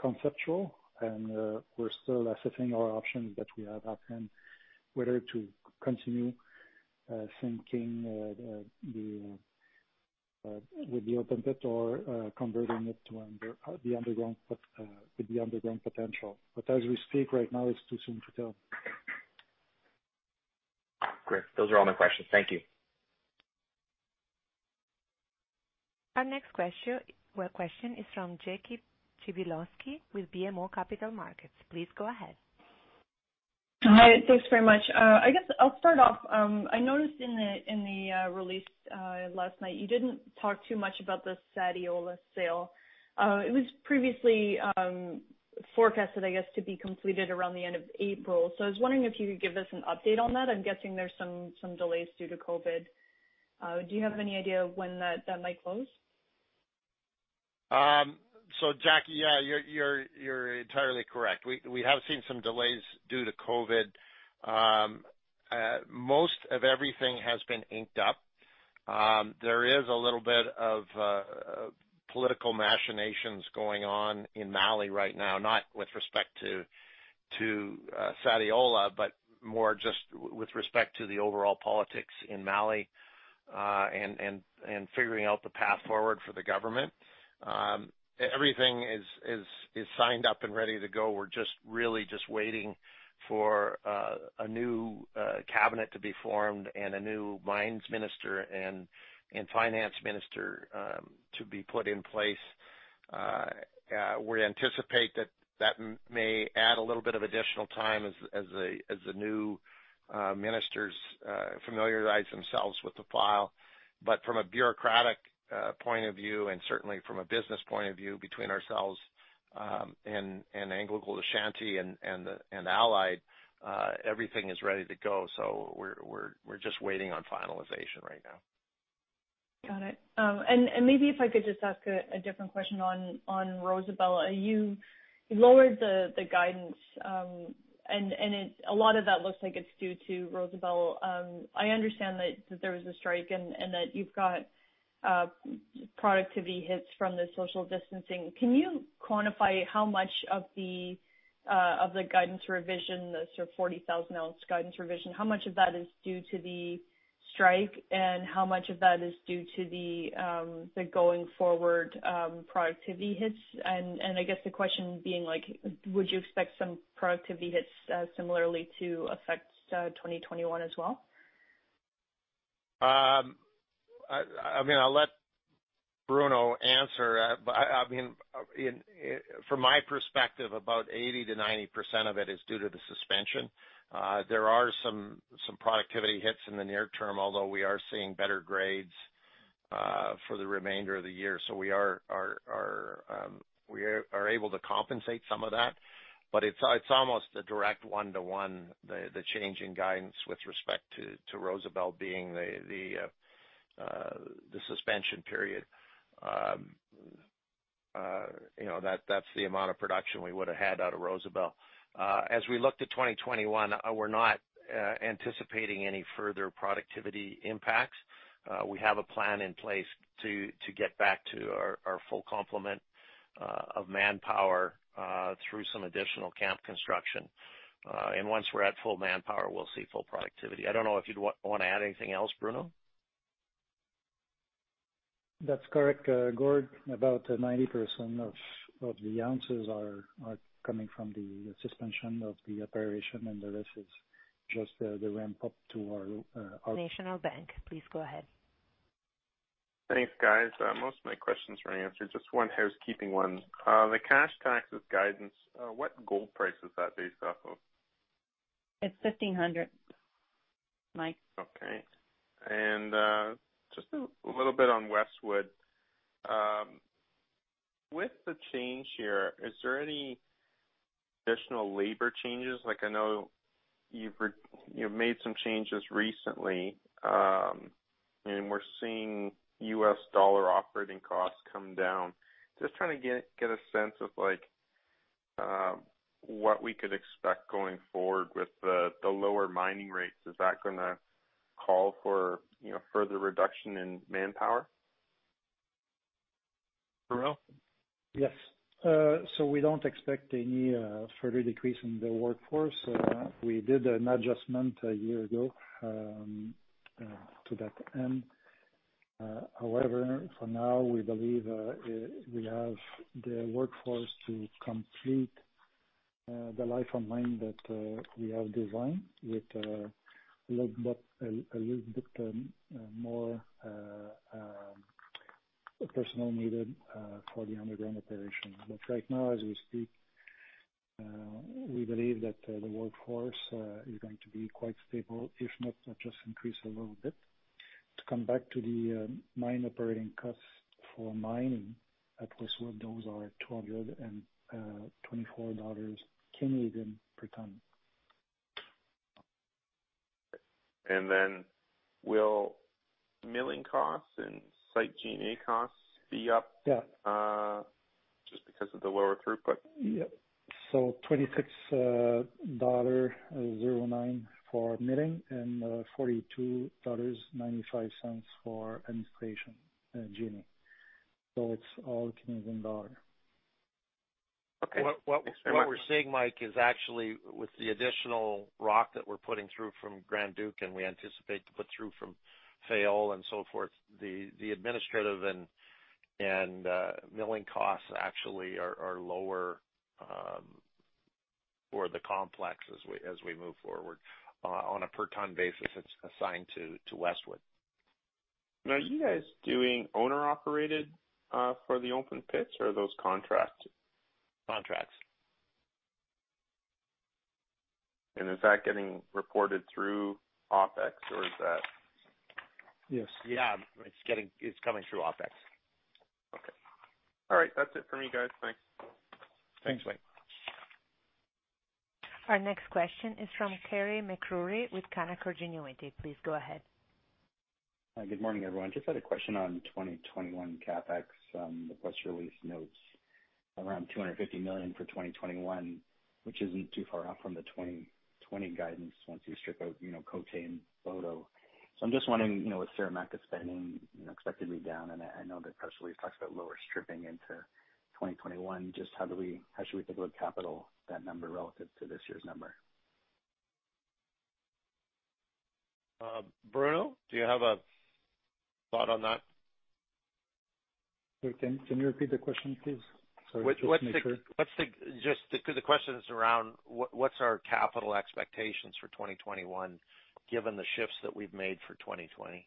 conceptual, and we're still assessing our options that we have at hand whether to continue thinking with the open pit or converting it to the underground potential. As we speak right now, it's too soon to tell. Great. Those are all my questions. Thank you. Our next question is from Jackie Przybylowski with BMO Capital Markets. Please go ahead. Hi. Thanks very much. I guess I'll start off. I noticed in the release last night, you didn't talk too much about the Sadiola sale. It was previously forecasted, I guess, to be completed around the end of April. I was wondering if you could give us an update on that. I'm guessing there's some delays due to COVID. Do you have any idea when that might close? Jackie, yeah, you're entirely correct. We have seen some delays due to COVID. Most of everything has been inked up. There is a little bit of political machinations going on in Mali right now, not with respect to Sadiola, but more just with respect to the overall politics in Mali, and figuring out the path forward for the government. Everything is signed up and ready to go. We're really just waiting for a new cabinet to be formed and a new mines minister and finance minister to be put in place. We anticipate that that may add a little bit of additional time as the new ministers familiarize themselves with the file. From a bureaucratic point of view, and certainly from a business point of view, between ourselves, and AngloGold Ashanti and Allied, everything is ready to go. We're just waiting on finalization right now. Got it. Maybe if I could just ask a different question on Rosebel. You lowered the guidance, and a lot of that looks like it's due to Rosebel. I understand that there was a strike and that you've got productivity hits from the social distancing. Can you quantify how much of the guidance revision, the sort of 40,000 ounce guidance revision, how much of that is due to the strike, and how much of that is due to the going forward productivity hits? I guess the question being like, would you expect some productivity hits similarly to affect 2021 as well? I'll let Bruno answer. From my perspective, about 80%-90% of it is due to the suspension. There are some productivity hits in the near term, although we are seeing better grades for the remainder of the year. We are able to compensate some of that, but it's almost a direct one-to-one, the change in guidance with respect to Rosebel being the suspension period. That's the amount of production we would have had out of Rosebel. As we look to 2021, we're not anticipating any further productivity impacts. We have a plan in place to get back to our full complement of manpower through some additional camp construction. Once we're at full manpower, we'll see full productivity. I don't know if you'd want to add anything else, Bruno? That's correct, Gord. About 90% of the ounces are coming from the suspension of the operation, and the rest is just the ramp up to our-. National Bank, please go ahead. Thanks, guys. Most of my questions were answered. Just one housekeeping one. The cash taxes guidance, what gold price is that based off of? It's XOF 1,500. Mike. Okay. Just a little bit on Westwood. With the change here, is there any additional labor changes? I know you've made some changes recently, and we're seeing U.S. dollar operating costs come down. Just trying to get a sense of what we could expect going forward with the lower mining rates. Is that going to call for further reduction in manpower? Bruno? Yes. We don't expect any further decrease in the workforce. We did an adjustment a year ago to that end. However, for now, we believe we have the workforce to complete the life of mine that we have designed with a little bit more personal needed for the underground operation. Right now, as we speak, we believe that the workforce is going to be quite stable, if not just increase a little bit. To come back to the mine operating costs for mining at Westwood, those are 224 dollars per ton. Will milling costs and site G&A costs be up? Yeah. just because of the lower throughput? Yeah. 26.09 dollar for milling and 42.95 dollars for administration, G&A. It's all Canadian dollar. Okay. What we're seeing, Mike, is actually with the additional rock that we're putting through from Grand Duc and we anticipate to put through from Fayolle and so forth, the administrative and milling costs actually are lower for the complex as we move forward on a per ton basis that's assigned to Westwood. Are you guys doing owner operated for the open pits or are those contracts? Contracts. Is that getting reported through OpEx or is that? Yes. Yeah. It's coming through OpEx. Okay. All right. That's it for me, guys. Thanks. Thanks, Mike. Our next question is from Carey MacRury with Canaccord Genuity. Please go ahead. Good morning, everyone. Just had a question on 2021 CapEx. The press release notes around 250 million for 2021, which isn't too far off from the 2020 guidance once you strip out Côté. I'm just wondering, with Saramacca spending expected to be down, and I know the press release talks about lower stripping into 2021, just how should we think about capital, that number relative to this year's number? Bruno, do you have a thought on that? Sorry, can you repeat the question, please? Sorry, just to make sure. Just because the question is around what's our capital expectations for 2021 given the shifts that we've made for 2020.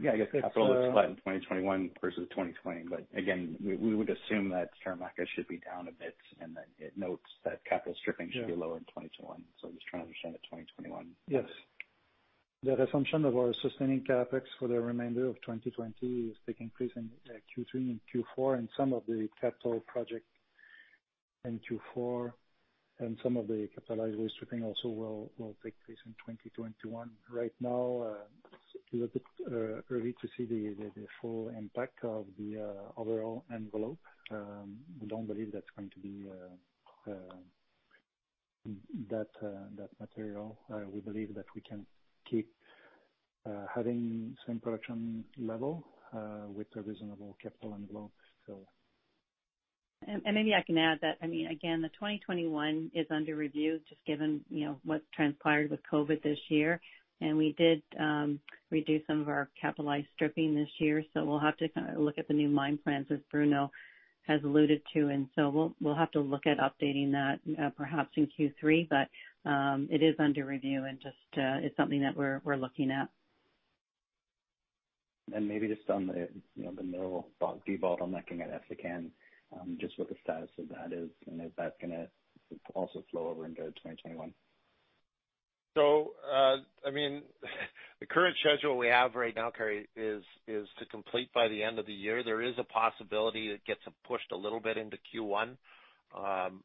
Yeah, I guess capital looks flat in 2021 versus 2020. Again, we would assume that Saramacca should be down a bit and that it notes that capital stripping should be lower in 2021. I'm just trying to understand the 2021. Yes. The assumption of our sustaining CapEx for the remainder of 2020 is taking place in Q3 and Q4, and some of the capital projects in Q4 and some of the capitalized waste stripping also will take place in 2021. Right now, it's a little bit early to see the full impact of the overall envelope. We don't believe that's going to be that material. We believe that we can keep having same production level with a reasonable capital envelope still. Maybe I can add that, again, the 2021 is under review, just given what transpired with COVID this year. We did reduce some of our capitalized stripping this year, so we'll have to look at the new mine plans, as Bruno has alluded to. So we'll have to look at updating that perhaps in Q3. It is under review and just it's something that we're looking at. Maybe just on the mill debottlenecking at Essakane, just what the status of that is, and is that going to also flow over into 2021? The current schedule we have right now, Carey, is to complete by the end of the year. There is a possibility it gets pushed a little bit into Q1,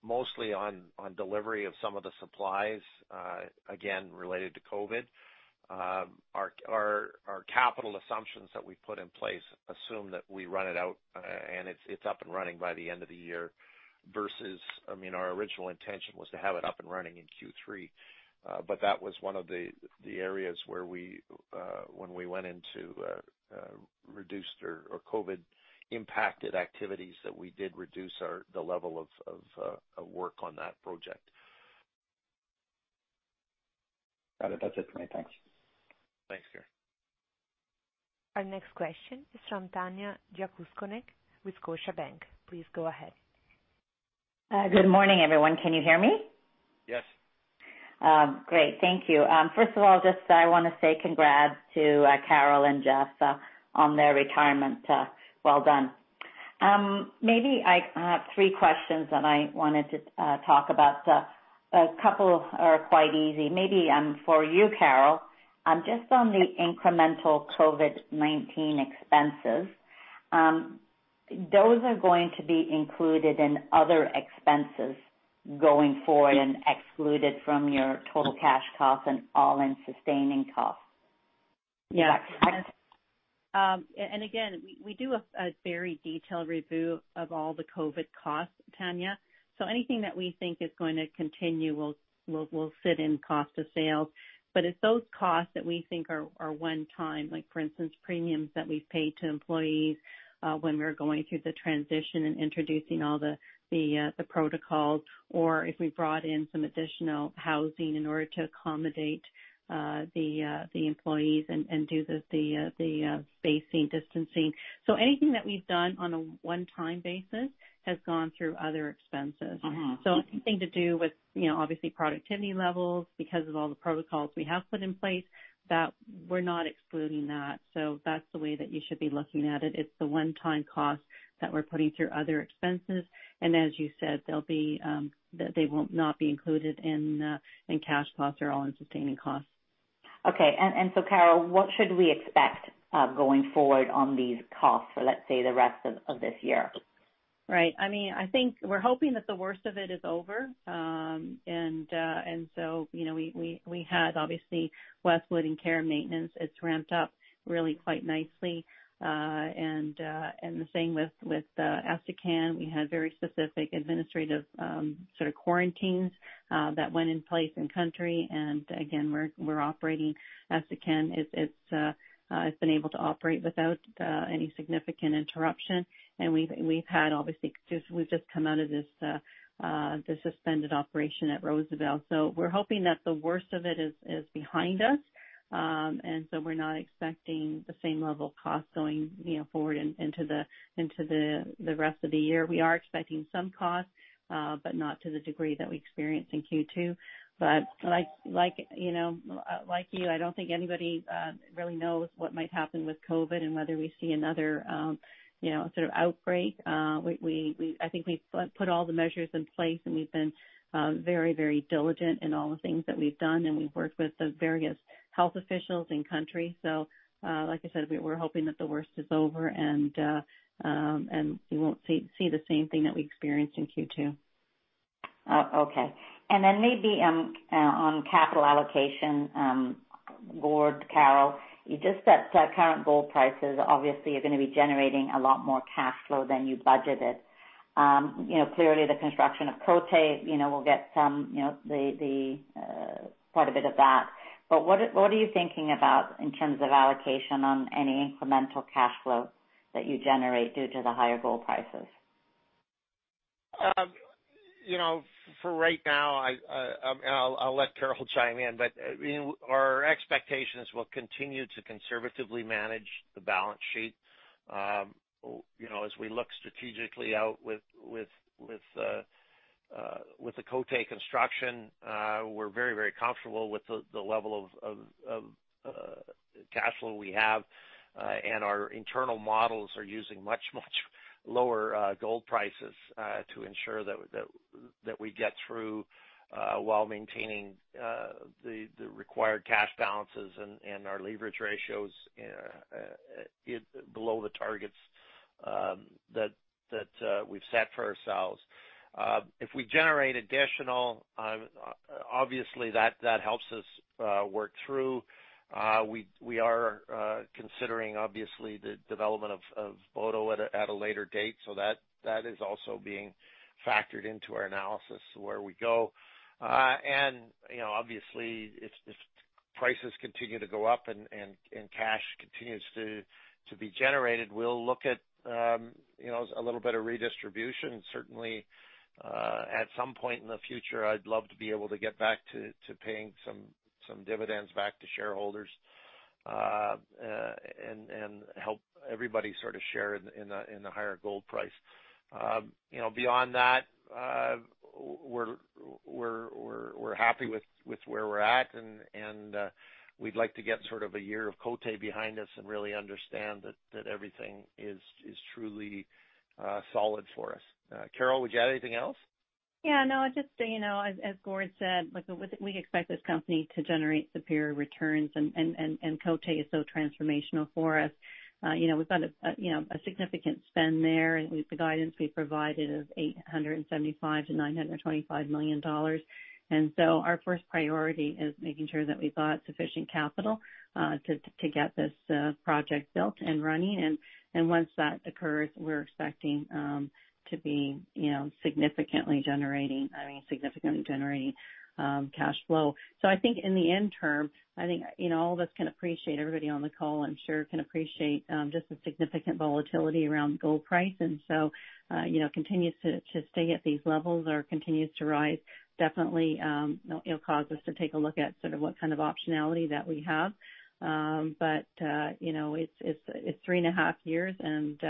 mostly on delivery of some of the supplies, again, related to COVID. Our capital assumptions that we put in place assume that we run it out and it's up and running by the end of the year versus our original intention was to have it up and running in Q3. That was one of the areas where when we went into reduced or COVID impacted activities, that we did reduce the level of work on that project. Got it. That's it for me. Thanks. Thanks, Carey. Our next question is from Tanya Jakusconek with Scotiabank. Please go ahead. Good morning, everyone. Can you hear me? Yes. Great. Thank you. First of all, just I want to say congrats to Carol and Jeff on their retirement. Well done. Maybe I have three questions that I wanted to talk about. A couple are quite easy. Maybe for you, Carol, just on the incremental COVID-19 expenses, those are going to be included in other expenses going forward and excluded from your total cash costs and all-in sustaining costs? Yes. Again, we do a very detailed review of all the COVID costs, Tanya. Anything that we think is going to continue will sit in cost of sales. It's those costs that we think are one time, like for instance, premiums that we've paid to employees when we were going through the transition and introducing all the protocols, or if we brought in some additional housing in order to accommodate the employees and do the spacing, distancing. Anything that we've done on a one-time basis has gone through other expenses. Anything to do with, obviously, productivity levels because of all the protocols we have put in place, we're not excluding that. That's the way that you should be looking at it. It's the one-time cost that we're putting through other expenses. As you said, they will not be included in cash costs or all-in sustaining costs. Okay. Carol, what should we expect going forward on these costs for, let's say, the rest of this year? Right. I think we're hoping that the worst of it is over. We had, obviously, Westwood in care and maintenance. It's ramped up really quite nicely. The same with Essakane. We had very specific administrative sort of quarantines that went in place in country. Again, we're operating Essakane. It's been able to operate without any significant interruption. We've just come out of the suspended operation at Rosebel, so we're hoping that the worst of it is behind us. We're not expecting the same level of cost going forward into the rest of the year. We are expecting some costs, but not to the degree that we experienced in Q2. Like you, I don't think anybody really knows what might happen with COVID and whether we see another sort of outbreak. I think we've put all the measures in place and we've been very diligent in all the things that we've done, and we've worked with the various health officials in country. Like I said, we're hoping that the worst is over and we won't see the same thing that we experienced in Q2. Okay. Then maybe on capital allocation, Gord, Carol, just at current gold prices, obviously, you're going to be generating a lot more cash flow than you budgeted. Clearly the construction of Côté, we'll get quite a bit of that. What are you thinking about in terms of allocation on any incremental cash flow that you generate due to the higher gold prices? For right now, I'll let Carol chime in, but our expectation is we'll continue to conservatively manage the balance sheet as we look strategically out with the Côté construction. We're very comfortable with the level of cash flow we have. Our internal models are using much lower gold prices to ensure that we get through while maintaining the required cash balances and our leverage ratios below the targets that we've set for ourselves. If we generate additional, obviously that helps us work through. We are considering, obviously, the development of Boto at a later date, that is also being factored into our analysis of where we go. Obviously, if prices continue to go up and cash continues to be generated, we'll look at a little bit of redistribution. Certainly, at some point in the future, I'd love to be able to get back to paying some dividends back to shareholders and help everybody sort of share in the higher gold price. Beyond that, we're happy with where we're at, and we'd like to get sort of a year of Côté behind us and really understand that everything is truly solid for us. Carol, would you add anything else? No, just as Gord said, we expect this company to generate superior returns. Côté is so transformational for us. We've got a significant spend there. The guidance we provided of 875 million-925 million dollars. Our first priority is making sure that we've got sufficient capital to get this project built and running. Once that occurs, we're expecting to be significantly generating cash flow. I think in the interim, all of us can appreciate, everybody on the call I'm sure can appreciate just the significant volatility around gold price. Continues to stay at these levels or continues to rise, definitely it'll cause us to take a look at sort of what kind of optionality that we have. It's three and a half years, and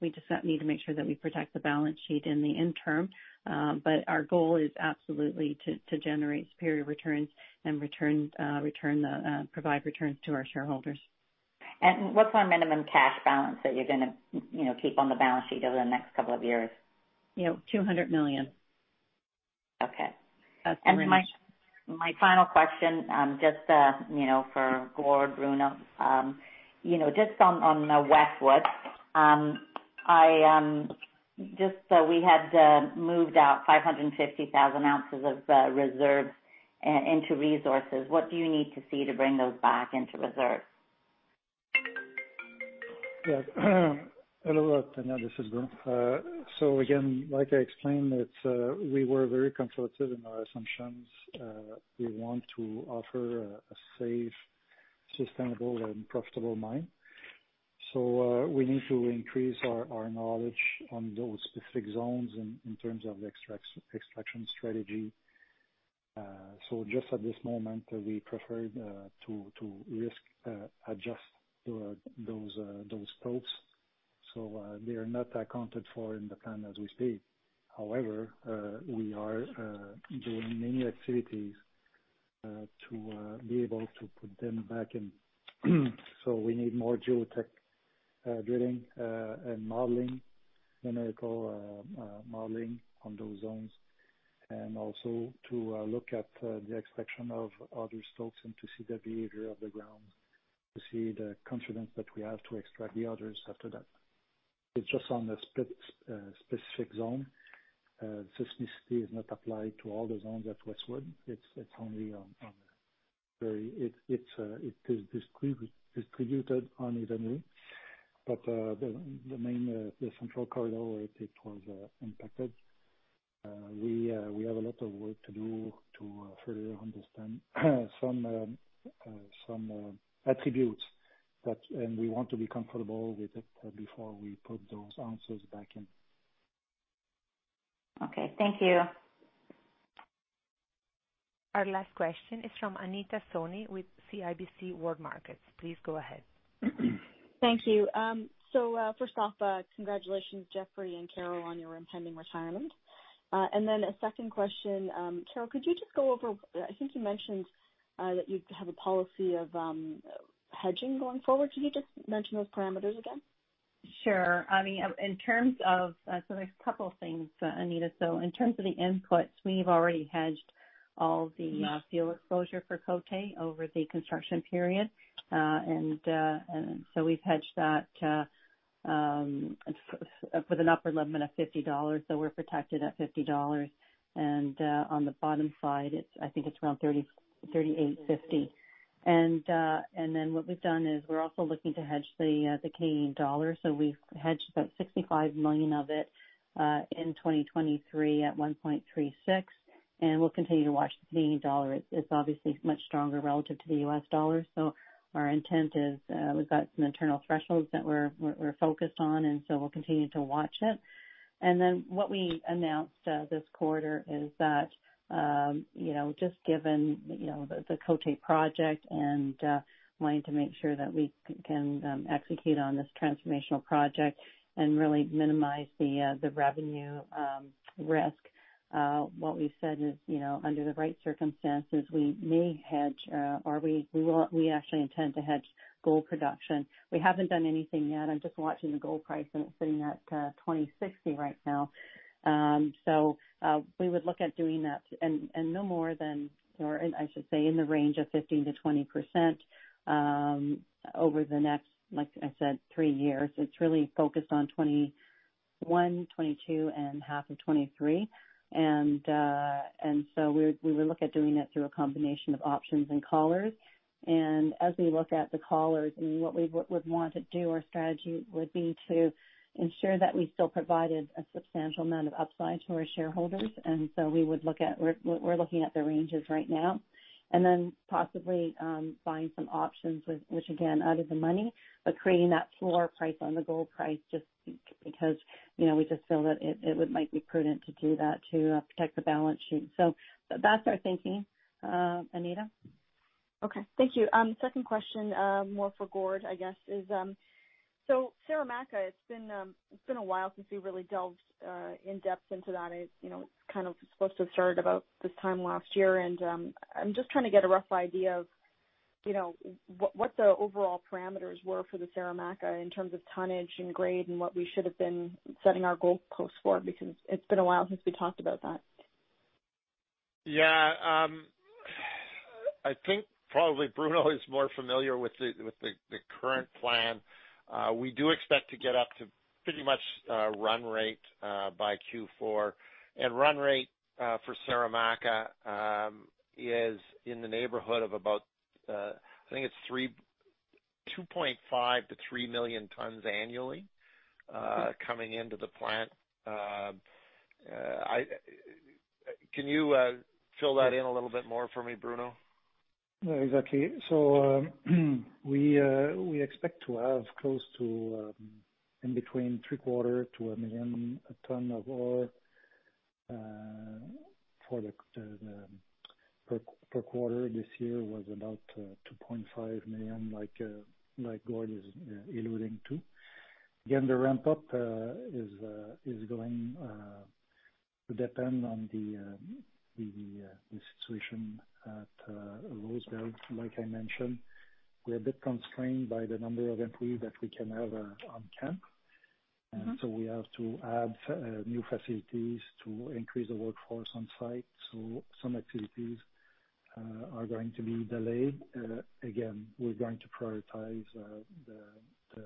we just need to make sure that we protect the balance sheet in the interim. Our goal is absolutely to generate superior returns and provide returns to our shareholders. What's our minimum cash balance that you're going to keep on the balance sheet over the next couple of years? XOF 200 million. Okay. My final question, just for Gord, Bruno. Just on Westwood. We had moved out 550,000 oz of reserves into resources. What do you need to see to bring those back into reserves? Yes. Hello, Tanya, this is Bruno. Again, like I explained, we were very conservative in our assumptions. We want to offer a safe, sustainable, and profitable mine. We need to increase our knowledge on those specific zones in terms of the extraction strategy. Just at this moment, we preferred to risk adjust those stopes. They are not accounted for in the plan as we speak. However, we are doing many activities to be able to put them back in. We need more geotech drilling and modeling, numerical modeling on those zones, and also to look at the extraction of other stopes and to see the behavior of the ground, to see the confidence that we have to extract the others after that. It's just on the specific zone. Seismicity is not applied to all the zones at Westwood. It is distributed unevenly. The main, central corridor where it was impacted, we have a lot of work to do to further understand some attributes, and we want to be comfortable with it before we put those ounces back in. Okay. Thank you. Our last question is from Anita Soni with CIBC World Markets. Please go ahead. Thank you. First off, congratulations, Jeffrey and Carol, on your impending retirement. A second question. Carol, could you just go over, I think you mentioned that you have a policy of hedging going forward. Can you just mention those parameters again? Sure. There's a couple things, Anita. In terms of the inputs, we've already hedged all the fuel exposure for Côté over the construction period. We've hedged that with an upper limit of 50 dollars. We're protected at 50 dollars. On the bottom side, I think it's around 38.50. What we've done is we're also looking to hedge the Canadian dollar. We've hedged about 65 million of it in 2023 at 1.36, and we'll continue to watch the Canadian dollar. It's obviously much stronger relative to the US dollar. Our intent is, we've got some internal thresholds that we're focused on, and so we'll continue to watch it. What we announced this quarter is that just given the Côté project and wanting to make sure that we can execute on this transformational project and really minimize the revenue risk. What we've said is, under the right circumstances, we may hedge, or we actually intend to hedge gold production. We haven't done anything yet. I'm just watching the gold price, and it's sitting at $2,060 right now. We would look at doing that and no more than, or I should say, in the range of 15%-20% over the next, like I said, three years. It's really focused on 2021, 2022, and half of 2023. We would look at doing that through a combination of options and callers. As we look at the callers and what we would want to do, our strategy would be to ensure that we still provided a substantial amount of upside to our shareholders. We're looking at the ranges right now. Possibly buying some options, which again, out of the money, but creating that floor price on the gold price, just because we just feel that it might be prudent to do that to protect the balance sheet. That's our thinking, Anita. Okay. Thank you. Second question, more for Gord, I guess is, Saramacca, it's been a while since we really delved in depth into that. It kind of was supposed to have started about this time last year, I'm just trying to get a rough idea of what the overall parameters were for the Saramacca in terms of tonnage and grade and what we should have been setting our goalposts for, because it's been a while since we talked about that. Yeah. I think probably Bruno is more familiar with the current plan. We do expect to get up to pretty much run rate by Q4. Run rate for Saramacca is in the neighborhood of about, I think it's 2.5 million tons to 3 million tons annually coming into the plant. Can you fill that in a little bit more for me, Bruno? Yeah, exactly. We expect to have close to in between three-quarter to a million ton of ore. Per quarter this year was about 2.5 million, like Gord is alluding to. The ramp-up is going to depend on the situation at Rosebel. Like I mentioned, we are a bit constrained by the number of employees that we can have on camp. We have to add new facilities to increase the workforce on site. Some activities are going to be delayed. We're going to prioritize the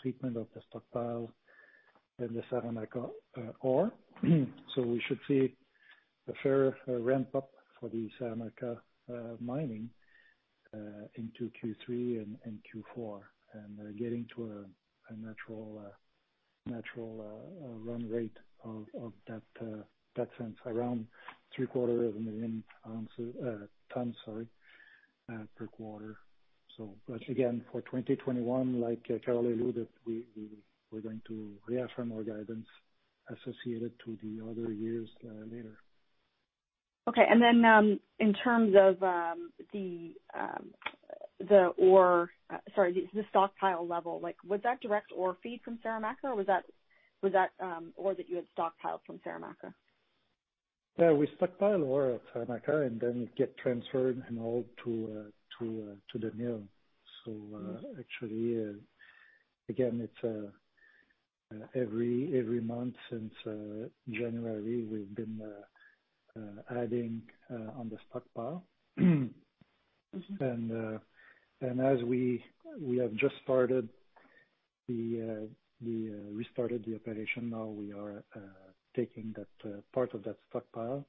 treatment of the stockpile and the Saramacca ore. We should see a fair ramp-up for the Saramacca mining into Q3 and Q4, and getting to a natural run rate of that sense, around three-quarter of a million tons per quarter. For 2021, like Carol alluded, we're going to reaffirm our guidance associated to the other years later. Okay. Then, in terms of the stockpile level, was that direct ore feed from Saramacca, or was that ore that you had stockpiled from Saramacca? Yeah, we stockpile ore at Saramacca and then it get transferred and hauled to the mill. Actually, again, it's every month since January, we've been adding on the stockpile. As we have just restarted the operation, now we are taking part of that stockpile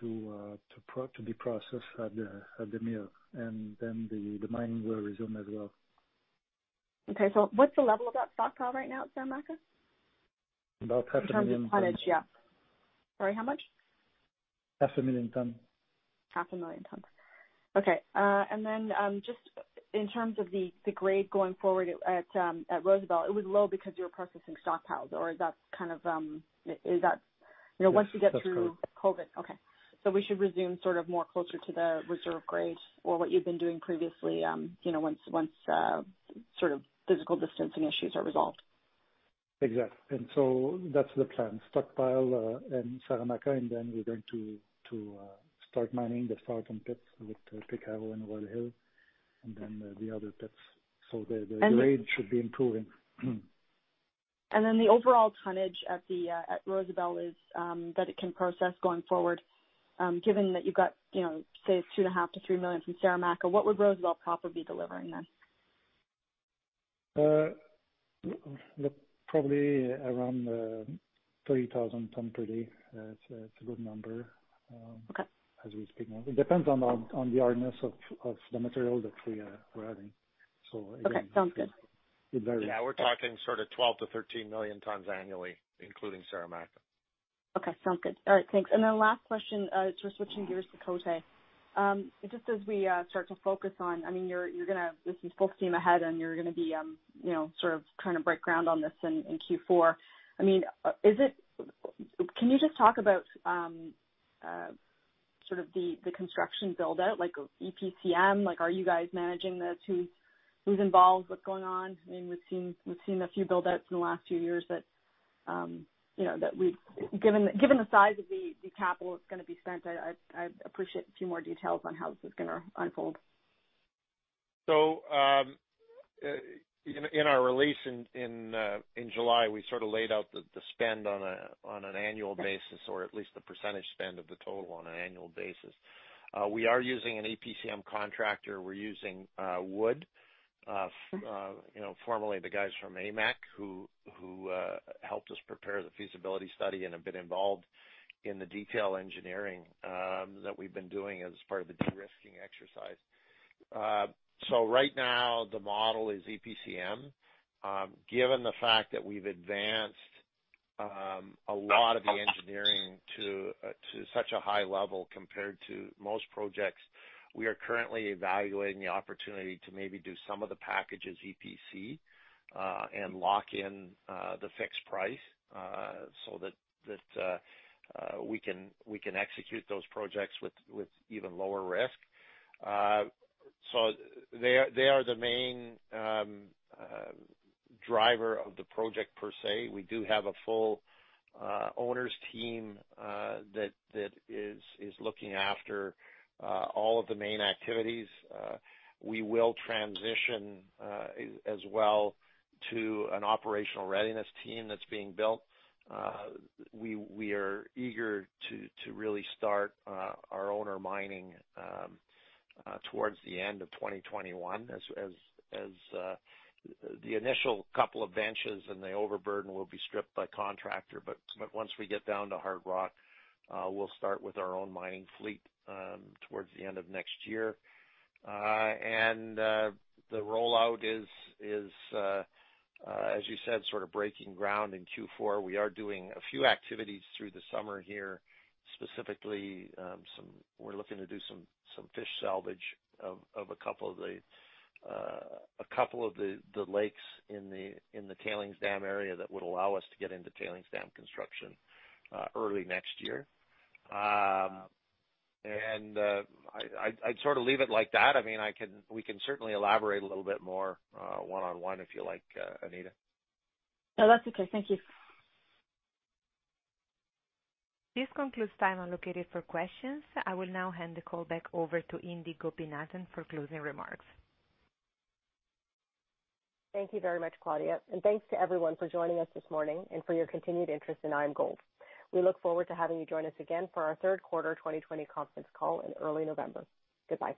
to be processed at the mill. Then the mining will resume as well. Okay. What's the level of that stockpile right now at Saramacca? About half a million tons. In terms of tonnage, yeah. Sorry, how much? 500,000 ton. Half a million tons. Okay. Just in terms of the grade going forward at Rosebel, it was low because you were processing stockpiles. That's correct. Okay. We should resume more closer to the reserve grade or what you've been doing previously once physical distancing issues are resolved. Exactly. That's the plan, stockpile in Saramacca, and then we're going to start mining the southern pits with Pay Caro and Royal Hill, and then the other pits. The grade should be improving. The overall tonnage at Rosebel is that it can process going forward, given that you've got, say, 2.5 million to 3 million from Saramacca, what would Rosebel proper be delivering then? Probably around 30,000 tons per day. It's a good number. Okay As we speak now. It depends on the hardness of the material that we're adding. Okay. Sounds good. It varies. Yeah, we're talking sort of 12 to 13 million tons annually, including Saramacca. Okay, sounds good. All right, thanks. Last question, just switching gears to Côté. Just as we start to focus on, this is full steam ahead, and you're going to be trying to break ground on this in Q4. Can you just talk about the construction build-out, like EPCM? Are you guys managing this? Who's involved? What's going on? We've seen a few build-outs in the last few years that given the size of the capital that's going to be spent, I'd appreciate a few more details on how this is going to unfold. In our release in July, we laid out the spend on an annual basis, or at least the percentage spend of the total on an annual basis. We are using an EPCM contractor. We're using Wood, formerly the guys from AMEC, who helped us prepare the feasibility study and have been involved in the detail engineering that we've been doing as part of the de-risking exercise. Right now, the model is EPCM. Given the fact that we've advanced a lot of the engineering to such a high level compared to most projects, we are currently evaluating the opportunity to maybe do some of the package as EPC, and lock in the fixed price, so that we can execute those projects with even lower risk. They are the main driver of the project, per se. We do have a full owners team that is looking after all of the main activities. We will transition as well to an operational readiness team that's being built. We are eager to really start our owner mining towards the end of 2021 as the initial couple of benches and the overburden will be stripped by contractor, but once we get down to hard rock, we'll start with our own mining fleet towards the end of next year. The rollout is, as you said, sort of breaking ground in Q4. We are doing a few activities through the summer here, specifically, we're looking to do some fish salvage of a couple of the lakes in the tailings dam area that would allow us to get into tailings dam construction early next year. I'd sort of leave it like that. We can certainly elaborate a little bit more one-on-one if you like, Anita. No, that's okay. Thank you. This concludes time allocated for questions. I will now hand the call back over to Indi Gopinathan for closing remarks. Thank you very much, Claudia. Thanks to everyone for joining us this morning and for your continued interest in IAMGOLD. We look forward to having you join us again for our third quarter 2020 conference call in early November. Goodbye.